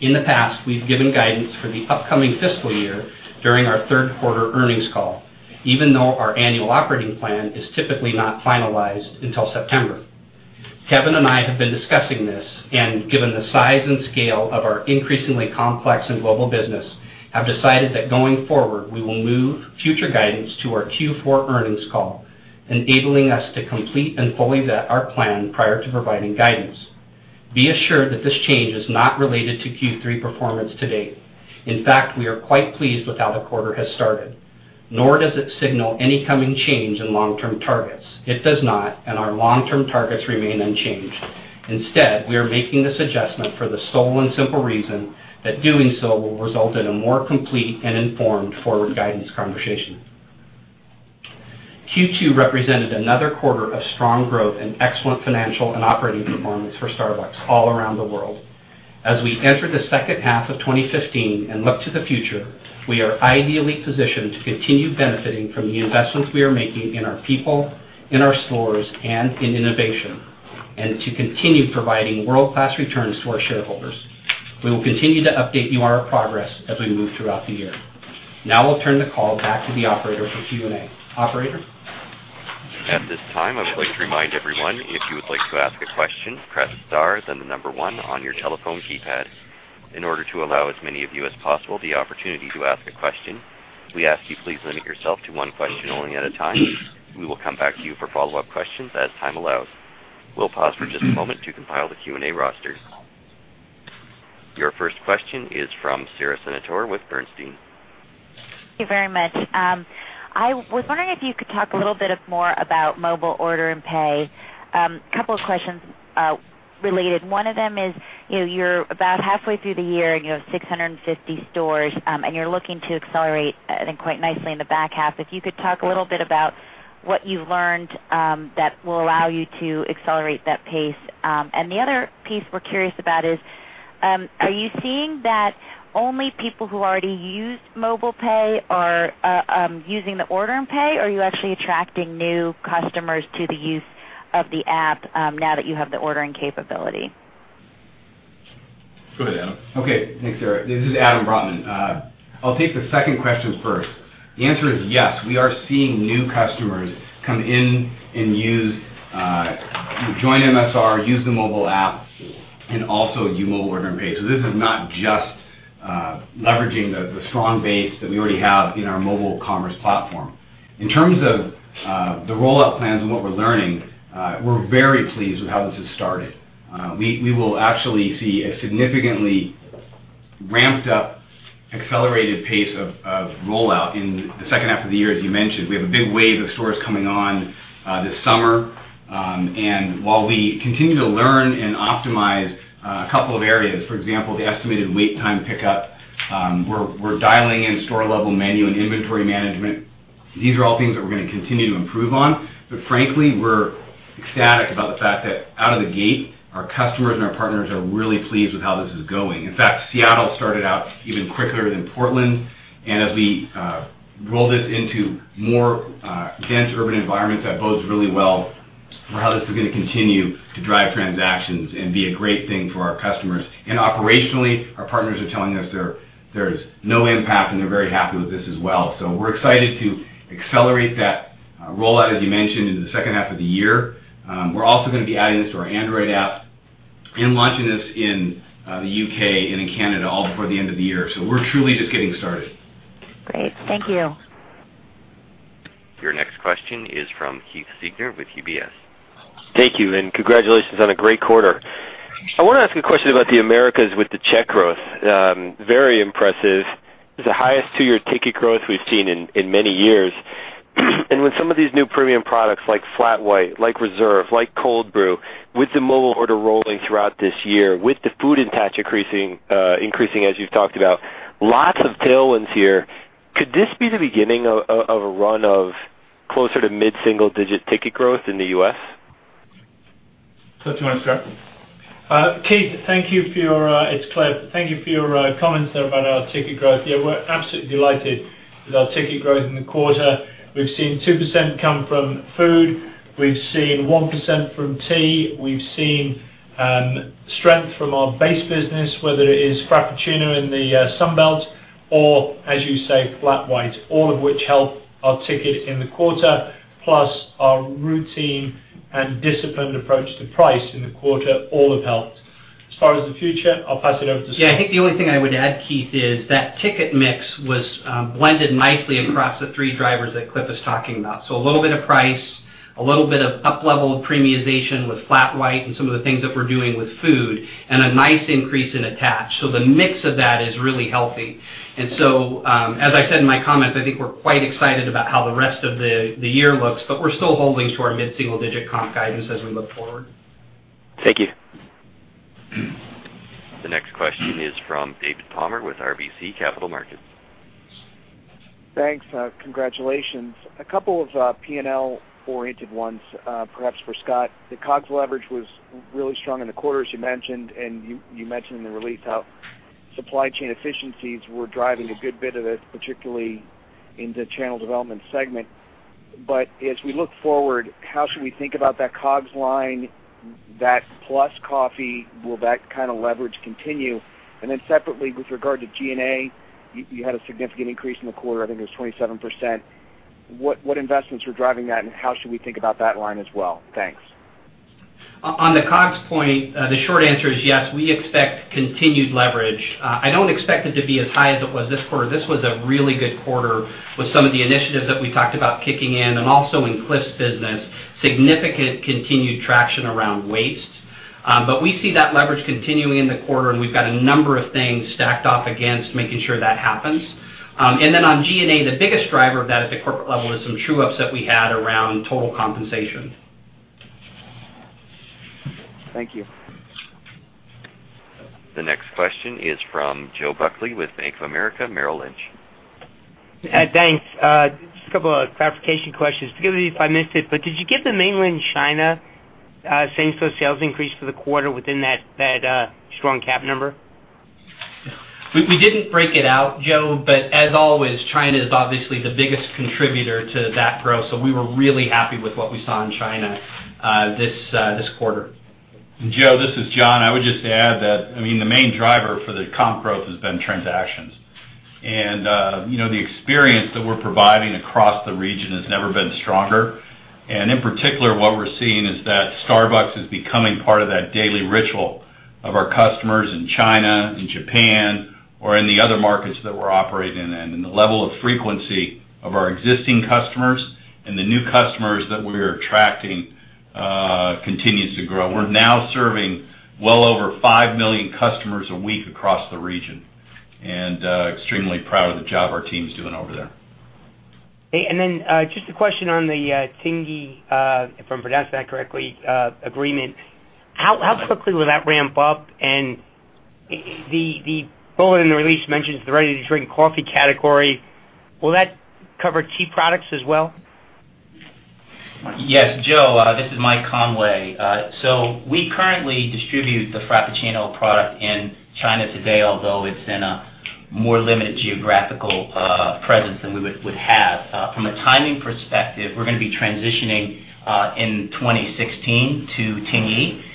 In the past, we've given guidance for the upcoming fiscal year during our third quarter earnings call, even though our annual operating plan is typically not finalized until September. Kevin and I have been discussing this, and given the size and scale of our increasingly complex and global business, have decided that going forward, we will move future guidance to our Q4 earnings call, enabling us to complete and fully vet our plan prior to providing guidance. Be assured that this change is not related to Q3 performance to date. In fact, we are quite pleased with how the quarter has started. Nor does it signal any coming change in long-term targets. It does not. Our long-term targets remain unchanged. Instead, we are making this adjustment for the sole and simple reason that doing so will result in a more complete and informed forward guidance conversation. Q2 represented another quarter of strong growth and excellent financial and operating performance for Starbucks all around the world. As we enter the second half of 2015 and look to the future, we are ideally positioned to continue benefiting from the investments we are making in our people, in our stores, and in innovation, and to continue providing world-class returns to our shareholders. We will continue to update you on our progress as we move throughout the year. Now I'll turn the call back to the operator for Q&A. Operator? At this time, I would like to remind everyone, if you would like to ask a question, press star, then the number one on your telephone keypad. In order to allow as many of you as possible the opportunity to ask a question, we ask you please limit yourself to one question only at a time. We will come back to you for follow-up questions as time allows. We'll pause for just a moment to compile the Q&A roster. Your first question is from Sara Senatore with Bernstein. Thank you very much. I was wondering if you could talk a little bit more about Mobile Order & Pay. Couple of questions related. One of them is, you're about halfway through the year, and you have 650 stores, and you're looking to accelerate, I think, quite nicely in the back half. If you could talk a little bit about what you've learned that will allow you to accelerate that pace. The other piece we're curious about is Are you seeing that only people who already use mobile pay are using the Mobile Order & Pay, or are you actually attracting new customers to the use of the app now that you have the ordering capability? Go ahead, Adam. Okay, thanks, Sara. This is Adam Brotman. I'll take the second question first. The answer is yes. We are seeing new customers come in and join MSR, use the mobile app, and also use Mobile Order & Pay. This is not just leveraging the strong base that we already have in our mobile commerce platform. In terms of the rollout plans and what we're learning, we're very pleased with how this has started. We will actually see a significantly ramped-up, accelerated pace of rollout in the second half of the year, as you mentioned. We have a big wave of stores coming on this summer. While we continue to learn and optimize a couple of areas, for example, the estimated wait time pickup, we're dialing in store-level menu and inventory management. These are all things that we're going to continue to improve on. Frankly, we're ecstatic about the fact that out of the gate, our customers and our partners are really pleased with how this is going. In fact, Seattle started out even quicker than Portland. As we roll this into more dense urban environments, that bodes really well for how this is going to continue to drive transactions and be a great thing for our customers. Operationally, our partners are telling us there's no impact, and they're very happy with this as well. We're excited to accelerate that rollout, as you mentioned, in the second half of the year. We're also going to be adding this to our Android app and launching this in the U.K. and in Canada all before the end of the year. We're truly just getting started. Great. Thank you. Your next question is from Keith Siegner with UBS. Thank you. Congratulations on a great quarter. I want to ask you a question about the Americas with the check growth. Very impressive. It's the highest two-year ticket growth we've seen in many years. With some of these new premium products like Flat White, like Reserve, like Cold Brew, with the mobile order rolling throughout this year, with the food attach increasing as you've talked about, lots of tailwinds here. Could this be the beginning of a run of closer to mid-single-digit ticket growth in the U.S.? If you want to start. Keith. It's Cliff. Thank you for your comments there about our ticket growth. Yeah, we're absolutely delighted with our ticket growth in the quarter. We've seen 2% come from food. We've seen 1% from tea. We've seen strength from our base business, whether it is Frappuccino in the Sun Belt or, as you say, Flat White, all of which help our ticket in the quarter, plus our routine and disciplined approach to price in the quarter, all have helped. As far as the future, I'll pass it over to Scott. Yeah, I think the only thing I would add, Keith, is that ticket mix was blended nicely across the three drivers that Cliff was talking about. So a little bit of price, a little bit of up-level of premiumization with Flat White and some of the things that we're doing with food, and a nice increase in attach. The mix of that is really healthy. As I said in my comments, I think we're quite excited about how the rest of the year looks, but we're still holding to our mid-single-digit comp guidance as we look forward. Thank you. The next question is from David Palmer with RBC Capital Markets. Thanks. Congratulations. A couple of P&L-oriented ones perhaps for Scott. The COGS leverage was really strong in the quarter, as you mentioned, and you mentioned in the release how supply chain efficiencies were driving a good bit of it, particularly in the Channel Development segment. As we look forward, how should we think about that COGS line, that plus coffee, will that kind of leverage continue? Separately, with regard to G&A, you had a significant increase in the quarter. I think it was 27%. What investments are driving that, and how should we think about that line as well? Thanks. On the COGS point, the short answer is yes, we expect continued leverage. I don't expect it to be as high as it was this quarter. This was a really good quarter with some of the initiatives that we talked about kicking in, and also in Cliff's business, significant continued traction around waste. We see that leverage continuing in the quarter, and we've got a number of things stacked up against making sure that happens. On G&A, the biggest driver of that at the corporate level is some true-ups that we had around total compensation. Thank you. The next question is from Joe Buckley with Bank of America Merrill Lynch. Thanks. Just a couple of clarification questions. Forgive me if I missed it, but did you give the Mainland China same-store sales increase for the quarter within that strong CAP number? We didn't break it out, Joe, but as always, China is obviously the biggest contributor to that growth. We were really happy with what we saw in China this quarter. Joe, this is John. I would just add that, the main driver for the comp growth has been transactions. The experience that we're providing across the region has never been stronger. In particular, what we're seeing is that Starbucks is becoming part of that daily ritual of our customers in China, in Japan, or in the other markets that we're operating in. The level of frequency of our existing customers and the new customers that we're attracting continues to grow. We're now serving well over 5 million customers a week across the region, and extremely proud of the job our team's doing over there. Just a question on the Tingyi, if I'm pronouncing that correctly, agreement. How quickly will that ramp up? The bullet in the release mentions the ready-to-drink coffee category. Will that cover tea products as well? Yes, Joe, this is Michael Conway. We currently distribute the Frappuccino product in China today, although it's in a more limited geographical presence than we would have. From a timing perspective, we're going to be transitioning in 2016 to Tingyi,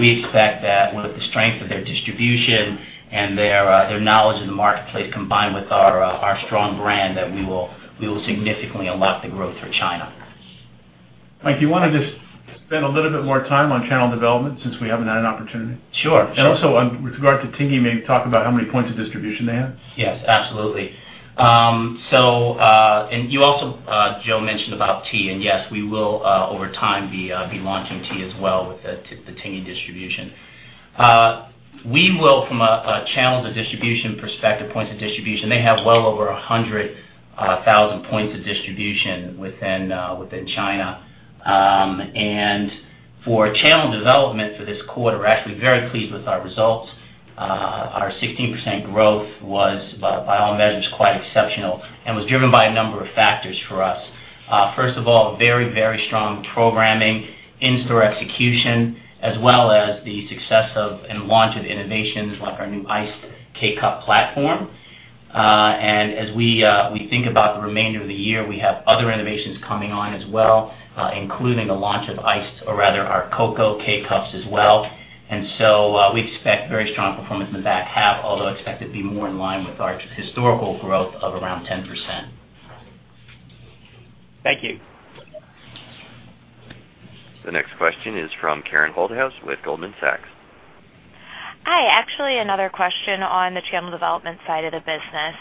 we expect that with the strength of their distribution and their knowledge of the marketplace, combined with our strong brand, that we will significantly unlock the growth for China. Mike, you want to just spend a little bit more time on channel development since we haven't had an opportunity? Sure. Also with regard to Tingyi, maybe talk about how many points of distribution they have. Yes, absolutely. You also, Joe, mentioned about tea, and yes, we will over time be launching tea as well with the Tingyi distribution. We will, from a channel to distribution perspective, points of distribution, they have well over 100,000 points of distribution within China. For channel development for this quarter, we are actually very pleased with our results. Our 16% growth was, by all measures, quite exceptional and was driven by a number of factors for us. First of all, very strong programming, in-store execution, as well as the success of and launch of innovations like our new Iced K-Cup platform. As we think about the remainder of the year, we have other innovations coming on as well, including the launch of our Hot Cocoa K-Cups as well. We expect very strong performance in the back half, although I expect it to be more in line with our historical growth of around 10%. Thank you. The next question is from Karen Holthouse with Goldman Sachs. Hi. Actually, another question on the channel development side of the business.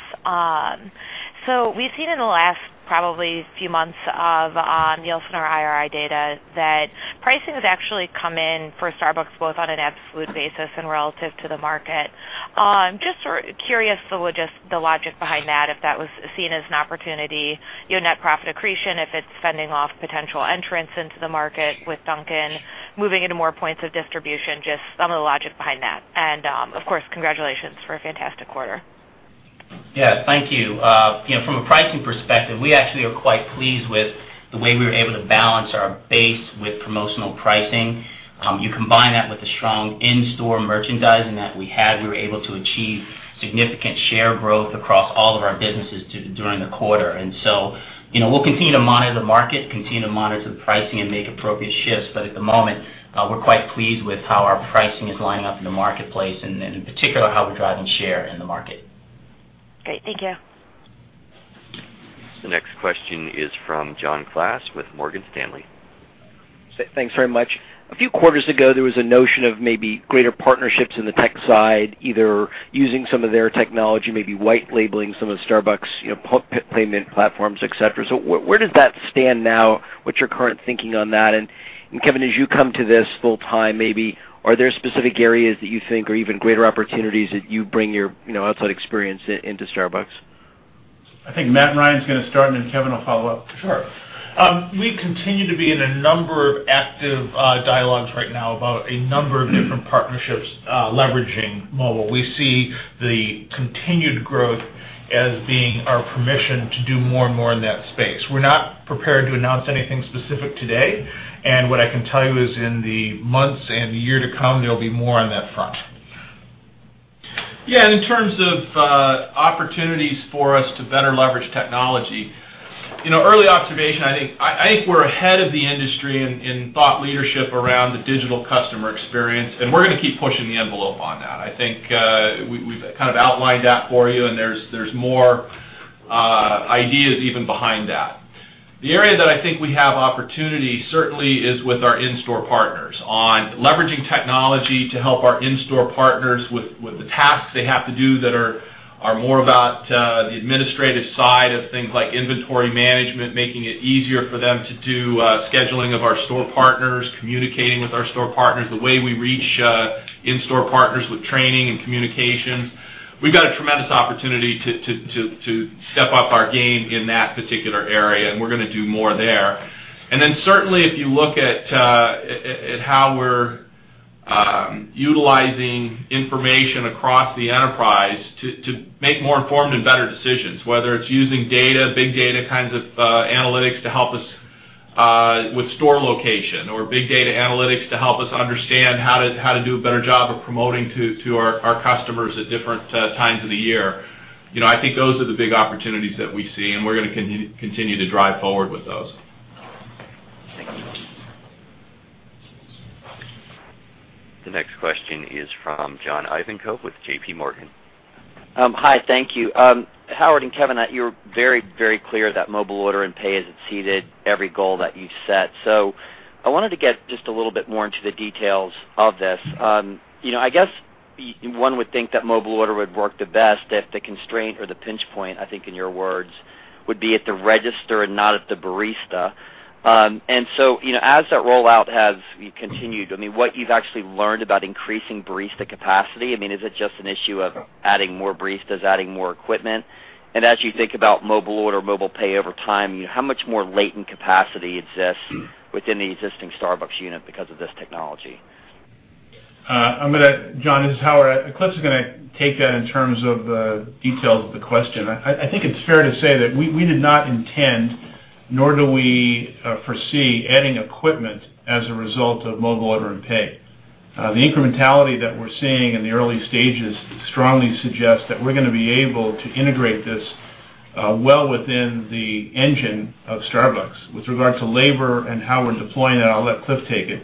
We've seen in the last probably few months of Nielsen or IRI data that pricing has actually come in for Starbucks, both on an absolute basis and relative to the market. Just curious, the logic behind that, if that was seen as an opportunity, net profit accretion, if it's fending off potential entrants into the market with Dunkin', moving into more points of distribution, just some of the logic behind that. Of course, congratulations for a fantastic quarter. Yes. Thank you. From a pricing perspective, we actually are quite pleased with the way we were able to balance our base with promotional pricing. You combine that with the strong in-store merchandising that we had, we were able to achieve significant share growth across all of our businesses during the quarter. We'll continue to monitor the market, continue to monitor the pricing, and make appropriate shifts. At the moment, we're quite pleased with how our pricing is lining up in the marketplace and in particular, how we're driving share in the market. Great. Thank you. The next question is from John Glass with Morgan Stanley. Thanks very much. A few quarters ago, there was a notion of maybe greater partnerships in the tech side, either using some of their technology, maybe white labeling some of the Starbucks payment platforms, et cetera. Where does that stand now? What's your current thinking on that? Kevin, as you come to this full time, maybe are there specific areas that you think are even greater opportunities as you bring your outside experience into Starbucks? I think Matthew Ryan's going to start, and then Kevin will follow up. Sure. We continue to be in a number of active dialogues right now about a number of different partnerships leveraging mobile. We see the continued growth as being our permission to do more and more in that space. We're not prepared to announce anything specific today, and what I can tell you is in the months and the year to come, there'll be more on that front. Yeah, in terms of opportunities for us to better leverage technology, early observation, I think we're ahead of the industry in thought leadership around the digital customer experience. We're going to keep pushing the envelope on that. I think we've outlined that for you. There's more ideas even behind that. The area that I think we have opportunity, certainly, is with our in-store partners on leveraging technology to help our in-store partners with the tasks they have to do that are more about the administrative side of things like inventory management, making it easier for them to do scheduling of our store partners, communicating with our store partners, the way we reach in-store partners with training and communications. We've got a tremendous opportunity to step up our game in that particular area. We're going to do more there. Certainly if you look at how we're utilizing information across the enterprise to make more informed and better decisions, whether it's using data, big data kinds of analytics to help us with store location or big data analytics to help us understand how to do a better job of promoting to our customers at different times of the year. I think those are the big opportunities that we see. We're going to continue to drive forward with those. Thank you. The next question is from John Ivankoe with JP Morgan. Hi, thank you. Howard and Kevin, you're very clear that Mobile Order & Pay has exceeded every goal that you set. I wanted to get just a little bit more into the details of this. I guess one would think that mobile order would work the best if the constraint or the pinch point, I think in your words, would be at the register and not at the barista. As that rollout has continued, what you've actually learned about increasing barista capacity, is it just an issue of adding more baristas, adding more equipment? As you think about mobile order, mobile pay over time, how much more latent capacity exists within the existing Starbucks unit because of this technology? John, this is Howard. Cliff is going to take that in terms of the details of the question. I think it's fair to say that we did not intend, nor do we foresee adding equipment as a result of Mobile Order & Pay. The incrementality that we're seeing in the early stages strongly suggests that we're going to be able to integrate this well within the engine of Starbucks. With regard to labor and how we're deploying it, I'll let Cliff take it.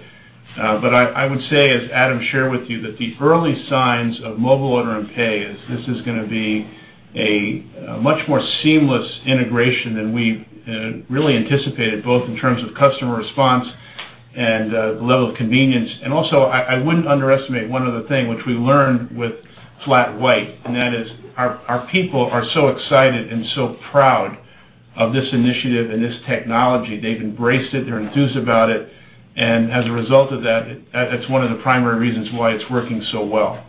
I would say, as Adam shared with you, that the early signs of Mobile Order & Pay is this is going to be a much more seamless integration than we really anticipated, both in terms of customer response and the level of convenience. Also, I wouldn't underestimate one other thing, which we learned with Starbucks Flat White, and that is our people are so excited and so proud of this initiative and this technology. They've embraced it. They're enthused about it. As a result of that's one of the primary reasons why it's working so well.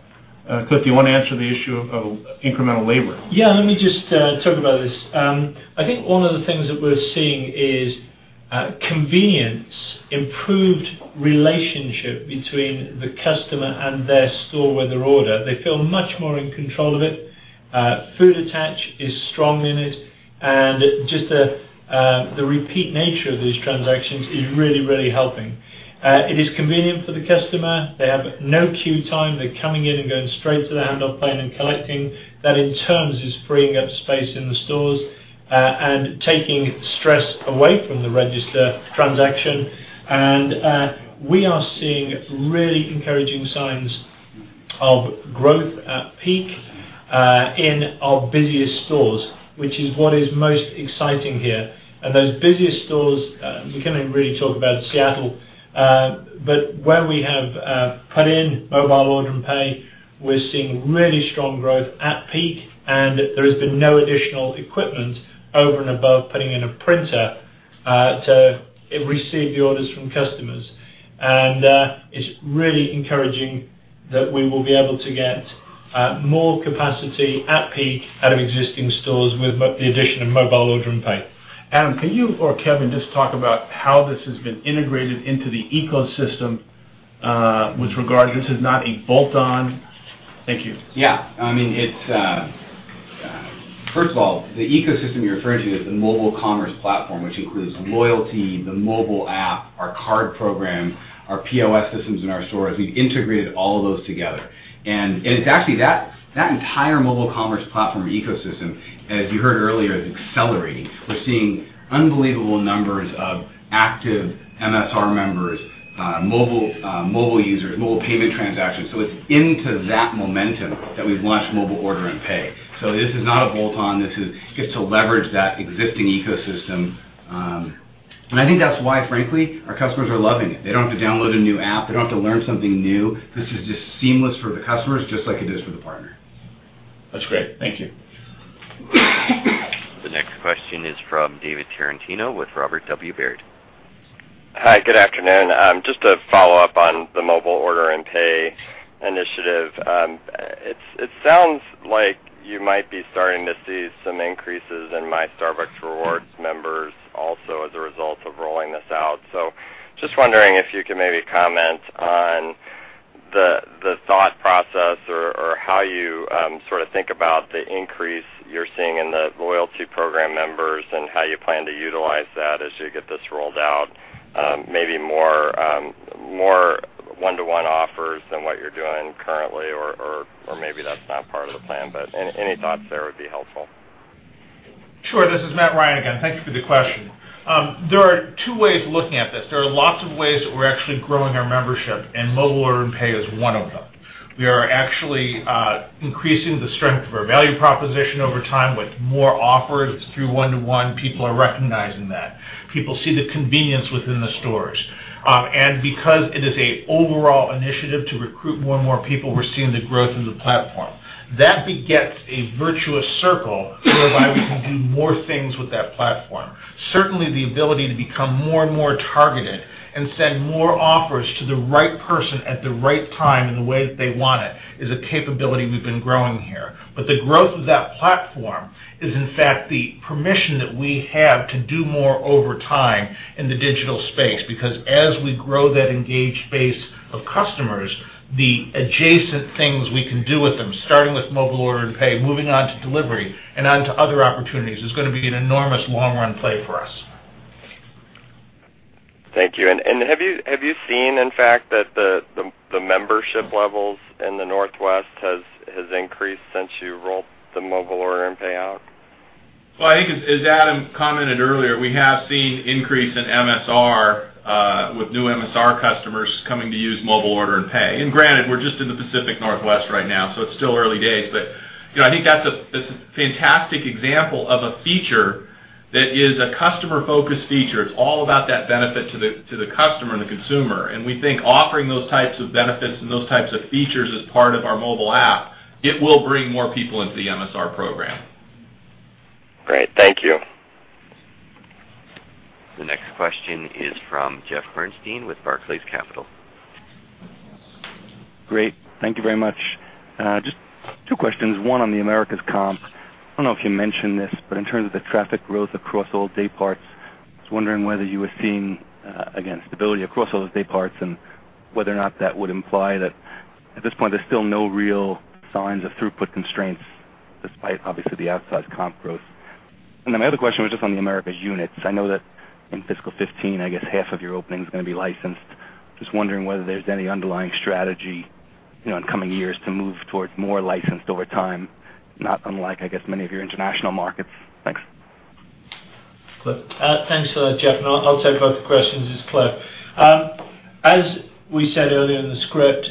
Cliff, do you want to answer the issue of incremental labor? Yeah, let me just talk about this. I think one of the things that we're seeing is convenience, improved relationship between the customer and their store with their order. They feel much more in control of it. Food attach is strong in it, and just the repeat nature of these transactions is really helping. It is convenient for the customer. They have no queue time. They're coming in and going straight to the handout plane and collecting. That, in turn, is freeing up space in the stores, and taking stress away from the register transaction. We are seeing really encouraging signs of growth at peak in our busiest stores, which is what is most exciting here. Those busiest stores, we can really talk about Seattle. Where we have put in Mobile Order & Pay, we're seeing really strong growth at peak, and there has been no additional equipment over and above putting in a printer to receive the orders from customers. It's really encouraging that we will be able to get more capacity at peak out of existing stores with the addition of Mobile Order & Pay. Adam, can you or Kevin just talk about how this has been integrated into the ecosystem? With regard, this is not a bolt-on. Thank you. Yeah. First of all, the ecosystem you're referring to is the mobile commerce platform, which includes loyalty, the mobile app, our card program, our POS systems in our stores. We've integrated all of those together, and it's actually that entire mobile commerce platform ecosystem, as you heard earlier, is accelerating. We're seeing unbelievable numbers of active MSR members, mobile users, mobile payment transactions. It's into that momentum that we've launched Mobile Order & Pay. This is not a bolt-on. This gets to leverage that existing ecosystem, and I think that's why, frankly, our customers are loving it. They don't have to download a new app. They don't have to learn something new. This is just seamless for the customers, just like it is for the partner. That's great. Thank you. The next question is from David Tarantino with Robert W. Baird. Hi, good afternoon. Just a follow-up on the Mobile Order & Pay initiative. It sounds like you might be starting to see some increases in My Starbucks Rewards members also as a result of rolling this out. Just wondering if you could maybe comment on the thought process or how you think about the increase you're seeing in the loyalty program members and how you plan to utilize that as you get this rolled out, maybe more one-to-one offers than what you're doing currently, or maybe that's not part of the plan, but any thoughts there would be helpful? Sure. This is Matthew Ryan again. Thank you for the question. There are two ways of looking at this. There are lots of ways that we're actually growing our membership, and Mobile Order & Pay is one of them. We are actually increasing the strength of our value proposition over time with more offers through one-to-one. People are recognizing that. People see the convenience within the stores. Because it is an overall initiative to recruit more and more people, we're seeing the growth of the platform. That begets a virtuous circle whereby we can do more things with that platform. Certainly, the ability to become more and more targeted and send more offers to the right person at the right time in the way that they want it is a capability we've been growing here. The growth of that platform is, in fact, the permission that we have to do more over time in the digital space. Because as we grow that engaged base of customers, the adjacent things we can do with them, starting with Mobile Order & Pay, moving on to delivery and on to other opportunities, is going to be an enormous long-run play for us. Thank you. Have you seen, in fact, that the membership levels in the Northwest has increased since you rolled the Mobile Order & Pay out? Well, I think as Adam commented earlier, we have seen increase in MSR with new MSR customers coming to use Mobile Order & Pay. Granted, we're just in the Pacific Northwest right now, so it's still early days, but I think that's a fantastic example of a feature that is a customer-focused feature. It's all about that benefit to the customer and the consumer, and we think offering those types of benefits and those types of features as part of our mobile app, it will bring more people into the MSR program. Great. Thank you. The next question is from Jeffrey Bernstein with Barclays Capital. Great. Thank you very much. Just two questions. One on the Americas comp. I don't know if you mentioned this, but in terms of the traffic growth across all day parts Just wondering whether you were seeing, again, stability across all the day parts, and whether or not that would imply that at this point, there's still no real signs of throughput constraints despite, obviously, the outsized comp growth. My other question was just on the Americas units. I know that in fiscal 2015, I guess, half of your opening is going to be licensed. Just wondering whether there's any underlying strategy in coming years to move towards more licensed over time, not unlike, I guess, many of your international markets. Thanks. Cliff. Thanks, Jeff. I'll take both the questions. It's Cliff. As we said earlier in the script,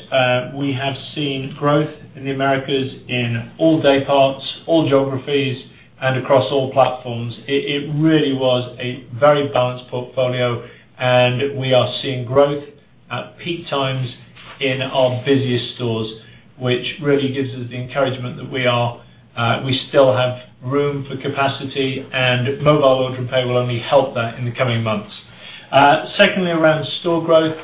we have seen growth in the Americas in all day parts, all geographies, and across all platforms. It really was a very balanced portfolio, and we are seeing growth at peak times in our busiest stores, which really gives us the encouragement that we still have room for capacity, and Mobile Order & Pay will only help that in the coming months. Secondly, around store growth.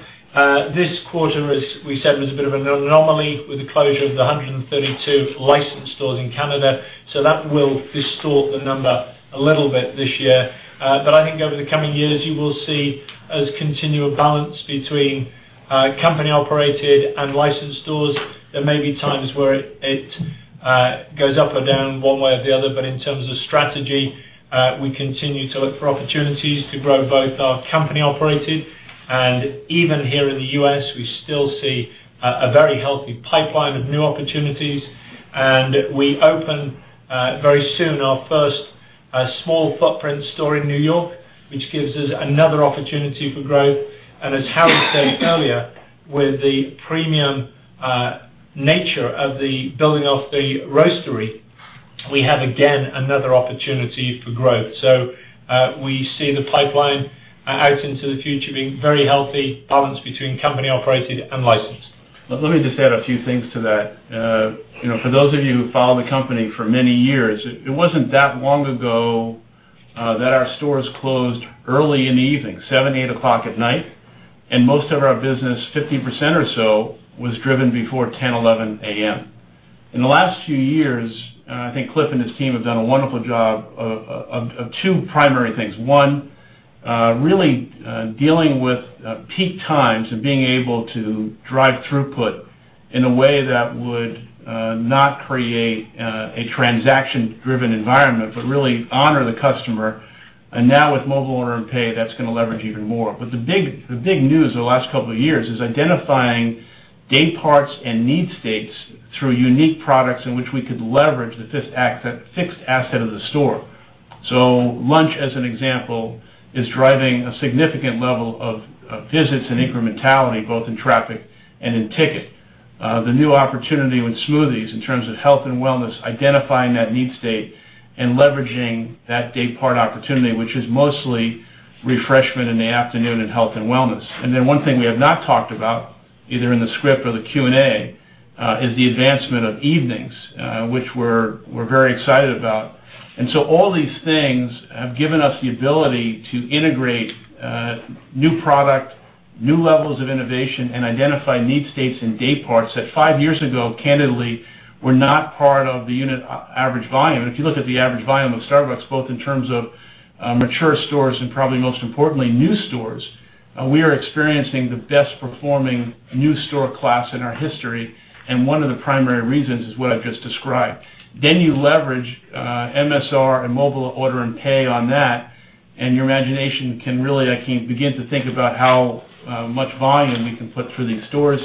This quarter, as we said, was a bit of an anomaly with the closure of the 132 licensed stores in Canada, so that will distort the number a little bit this year. I think over the coming years, you will see us continue a balance between company-operated and licensed stores. There may be times where it goes up or down one way or the other. In terms of strategy, we continue to look for opportunities to grow both our company-operated, and even here in the U.S., we still see a very healthy pipeline of new opportunities. We open, very soon, our first small footprint store in New York, which gives us another opportunity for growth. As Howard said earlier, with the premium nature of the building off the roastery, we have, again, another opportunity for growth. We see the pipeline out into the future being very healthy, balanced between company-operated and licensed. Let me just add a few things to that. For those of you who followed the company for many years, it wasn't that long ago that our stores closed early in the evening, 7:00, 8:00 at night. Most of our business, 50% or so, was driven before 10:00, 11:00 A.M. In the last few years, I think Cliff and his team have done a wonderful job of two primary things. One, really dealing with peak times and being able to drive throughput in a way that would not create a transaction-driven environment, but really honor the customer. Now with Mobile Order & Pay, that's going to leverage even more. The big news over the last couple of years is identifying day parts and need states through unique products in which we could leverage the fixed asset of the store. Lunch, as an example, is driving a significant level of visits and incrementality both in traffic and in ticket. The new opportunity with smoothies in terms of health and wellness, identifying that need state and leveraging that day part opportunity, which is mostly refreshment in the afternoon and health and wellness. One thing we have not talked about, either in the script or the Q&A, is the advancement of evenings, which we're very excited about. All these things have given us the ability to integrate new product, new levels of innovation, and identify need states and day parts that five years ago, candidly, were not part of the unit average volume. If you look at the average volume of Starbucks, both in terms of mature stores and probably most importantly, new stores, we are experiencing the best performing new store class in our history, and one of the primary reasons is what I've just described. You leverage MSR and Mobile Order & Pay on that, and your imagination can really, I think, begin to think about how much volume we can put through these stores.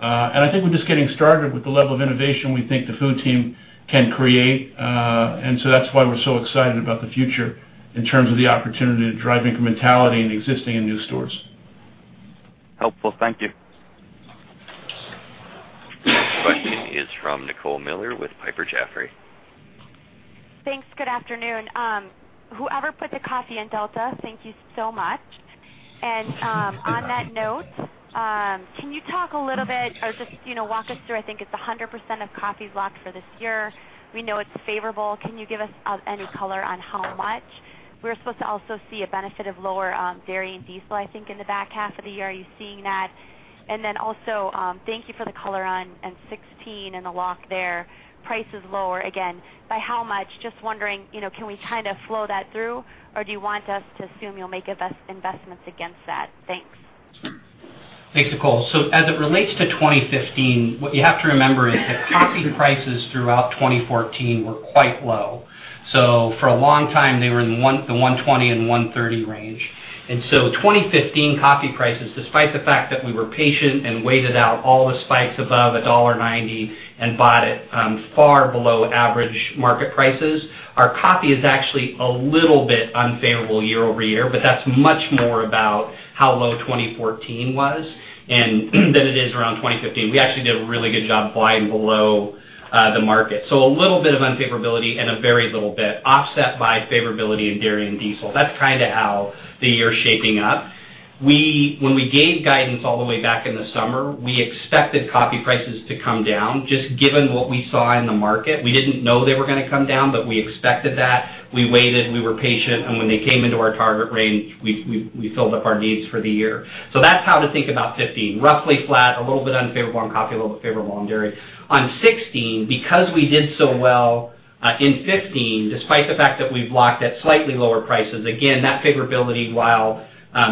I think we're just getting started with the level of innovation we think the food team can create. That's why we're so excited about the future in terms of the opportunity to drive incrementality in existing and new stores. Helpful. Thank you. The next question is from Nicole Miller with Piper Jaffray. Thanks. Good afternoon. Whoever put the coffee in Delta, thank you so much. On that note, can you talk a little bit or just walk us through, I think it is 100% of coffee is locked for this year. We know it is favorable. Can you give us any color on how much? We are supposed to also see a benefit of lower dairy and diesel, I think, in the back half of the year. Are you seeing that? Also, thank you for the color on 2016 and the lock there. Price is lower. Again, by how much? Just wondering, can we kind of flow that through, or do you want us to assume you will make investments against that? Thanks. Thanks, Nicole. As it relates to 2015, what you have to remember is that coffee prices throughout 2014 were quite low. For a long time, they were in the $1.20 and $1.30 range. 2015 coffee prices, despite the fact that we were patient and waited out all the spikes above $1.90 and bought it far below average market prices, our coffee is actually a little bit unfavorable year-over-year, but that is much more about how low 2014 was than it is around 2015. We actually did a really good job buying below the market. A little bit of unfavorability and a very little bit offset by favorability in dairy and diesel. That is kind of how the year is shaping up. When we gave guidance all the way back in the summer, we expected coffee prices to come down, just given what we saw in the market. We did not know they were going to come down, but we expected that. We waited, we were patient, and when they came into our target range, we filled up our needs for the year. That is how to think about 2015. Roughly flat, a little bit unfavorable on coffee, a little bit favorable on dairy. On 2016, because we did so well in 2015, despite the fact that we have locked at slightly lower prices, again, that favorability, while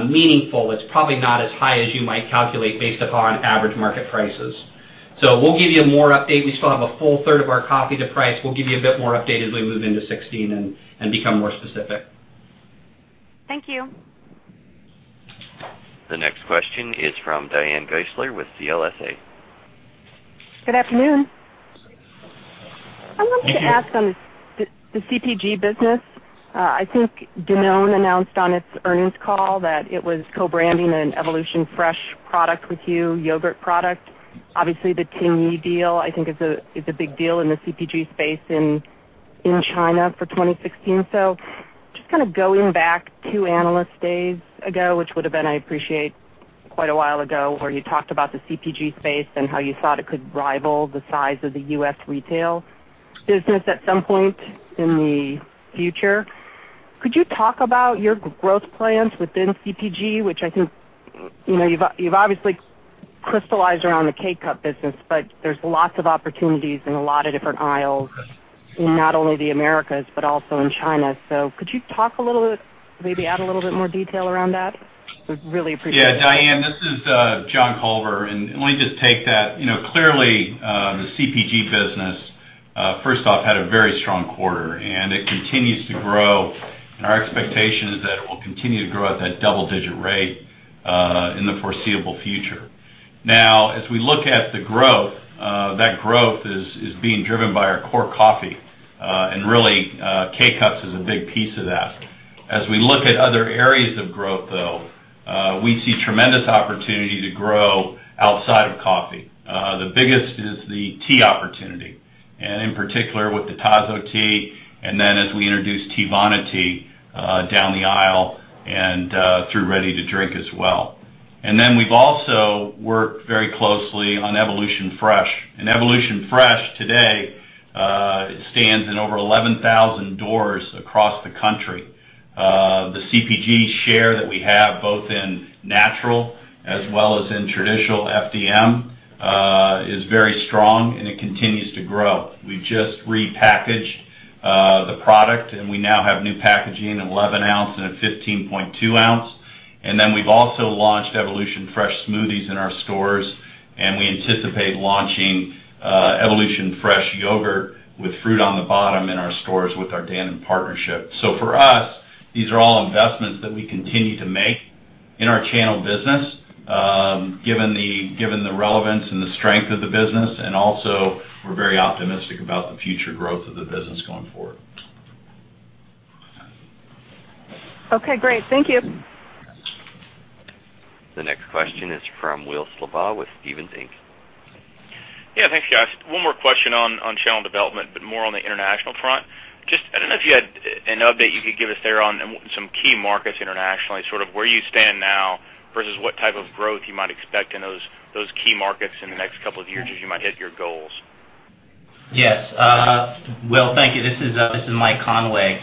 meaningful, it is probably not as high as you might calculate based upon average market prices. We will give you more update. We still have a full third of our coffee to price. We'll give you a bit more update as we move into 2016 and become more specific. Thank you. The next question is from Diane Geissler with CLSA. Good afternoon. I wanted to ask on the CPG business. I think Danone announced on its earnings call that it was co-branding an Evolution Fresh product with you, yogurt product. Obviously, the Tingyi deal, I think is a big deal in the CPG space in China for 2016. Just kind of going back two analyst days ago, which would've been, I appreciate, quite a while ago, where you talked about the CPG space and how you thought it could rival the size of the U.S. retail business at some point in the future. Could you talk about your growth plans within CPG? Which I think you've obviously crystallized around the K-Cup business, but there's lots of opportunities in a lot of different aisles in not only the Americas but also in China. Could you talk a little bit, maybe add a little bit more detail around that? I would really appreciate that. Yeah, Diane, this is John Culver. Let me just take that. Clearly, the CPG business, first off, had a very strong quarter. It continues to grow. Our expectation is that it will continue to grow at that double-digit rate in the foreseeable future. Now, as we look at the growth, that growth is being driven by our core coffee. Really, K-Cups is a big piece of that. As we look at other areas of growth, though, we see tremendous opportunity to grow outside of coffee. The biggest is the tea opportunity, in particular with the Tazo tea. Then as we introduce Teavana tea down the aisle and through ready-to-drink as well. Then we've also worked very closely on Evolution Fresh. Evolution Fresh today stands in over 11,000 doors across the country. The CPG share that we have, both in natural as well as in traditional FDM, is very strong. It continues to grow. We've just repackaged the product. We now have new packaging, an 11 ounce and a 15.2 ounce. Then we've also launched Evolution Fresh smoothies in our stores. We anticipate launching Evolution Fresh yogurt with fruit on the bottom in our stores with our Dannon partnership. For us, these are all investments that we continue to make in our channel business, given the relevance and the strength of the business. Also, we're very optimistic about the future growth of the business going forward. Okay, great. Thank you. The next question is from Will Slabaugh with Stephens Inc. Yeah. Thanks, guys. One more question on channel development, but more on the international front. Just, I don't know if you had an update you could give us there on some key markets internationally, sort of where you stand now versus what type of growth you might expect in those key markets in the next couple of years as you might hit your goals. Yes. Will, thank you. This is Mike Conway.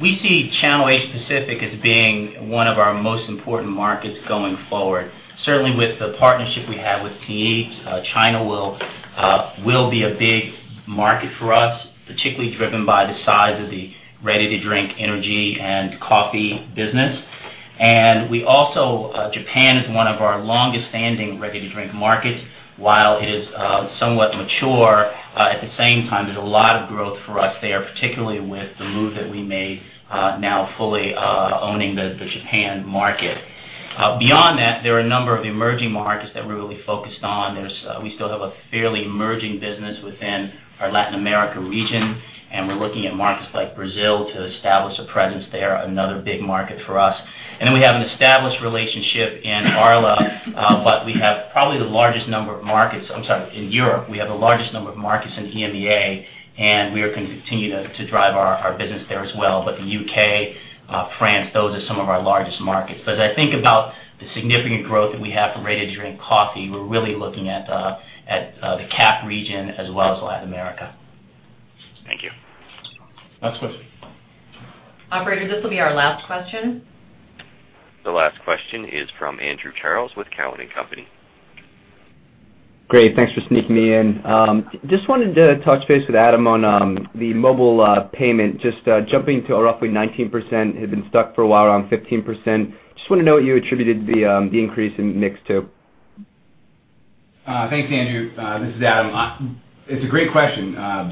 We see Channel Asia Pacific as being one of our most important markets going forward. Certainly, with the partnership we have with Tingyi, China will be a big market for us, particularly driven by the size of the ready-to-drink energy and coffee business. Japan is one of our longest-standing ready-to-drink markets. While it is somewhat mature, at the same time, there's a lot of growth for us there, particularly with the move that we made now fully owning the Japan market. Beyond that, there are a number of emerging markets that we're really focused on. We still have a fairly emerging business within our Latin America region, we're looking at markets like Brazil to establish a presence there, another big market for us. We have an established relationship in Arla, we have probably the largest number of markets I'm sorry, in Europe, we have the largest number of markets in EMEA, we are going to continue to drive our business there as well. The U.K., France, those are some of our largest markets. As I think about the significant growth that we have for ready-to-drink coffee, we're really looking at the CAP region as well as Latin America. Thank you. Last question. Operator, this will be our last question. The last question is from Andrew Charles with Cowen and Company. Great. Thanks for sneaking me in. Just wanted to touch base with Adam on the mobile payment, just jumping to roughly 19%, had been stuck for a while around 15%. Just want to know what you attributed the increase in mix to. Thanks, Andrew. This is Adam. It's a great question. I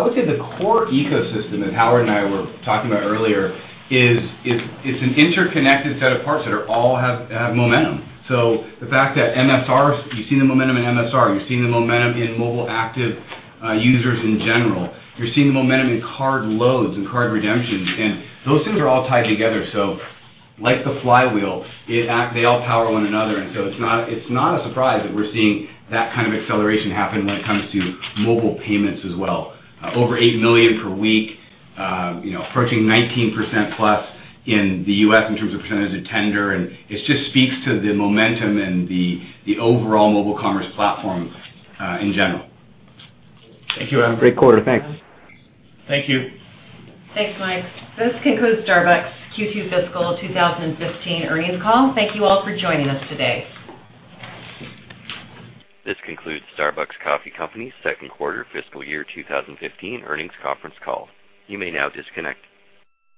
would say the core ecosystem that Howard and I were talking about earlier is an interconnected set of parts that all have momentum. The fact that MSR, you've seen the momentum in MSR, you're seeing the momentum in mobile active users in general. You're seeing the momentum in card loads and card redemptions, and those things are all tied together. Like the flywheel, they all power one another, and so it's not a surprise that we're seeing that kind of acceleration happen when it comes to mobile payments as well. Over 8 million per week, approaching 19% plus in the U.S. in terms of percentage of tender, and it just speaks to the momentum and the overall mobile commerce platform in general. Thank you, Adam. Great quarter. Thanks. Thank you. Thanks, Mike. This concludes Starbucks Q2 fiscal 2015 earnings call. Thank you all for joining us today. This concludes Starbucks Coffee Company's second quarter fiscal year 2015 earnings conference call. You may now disconnect.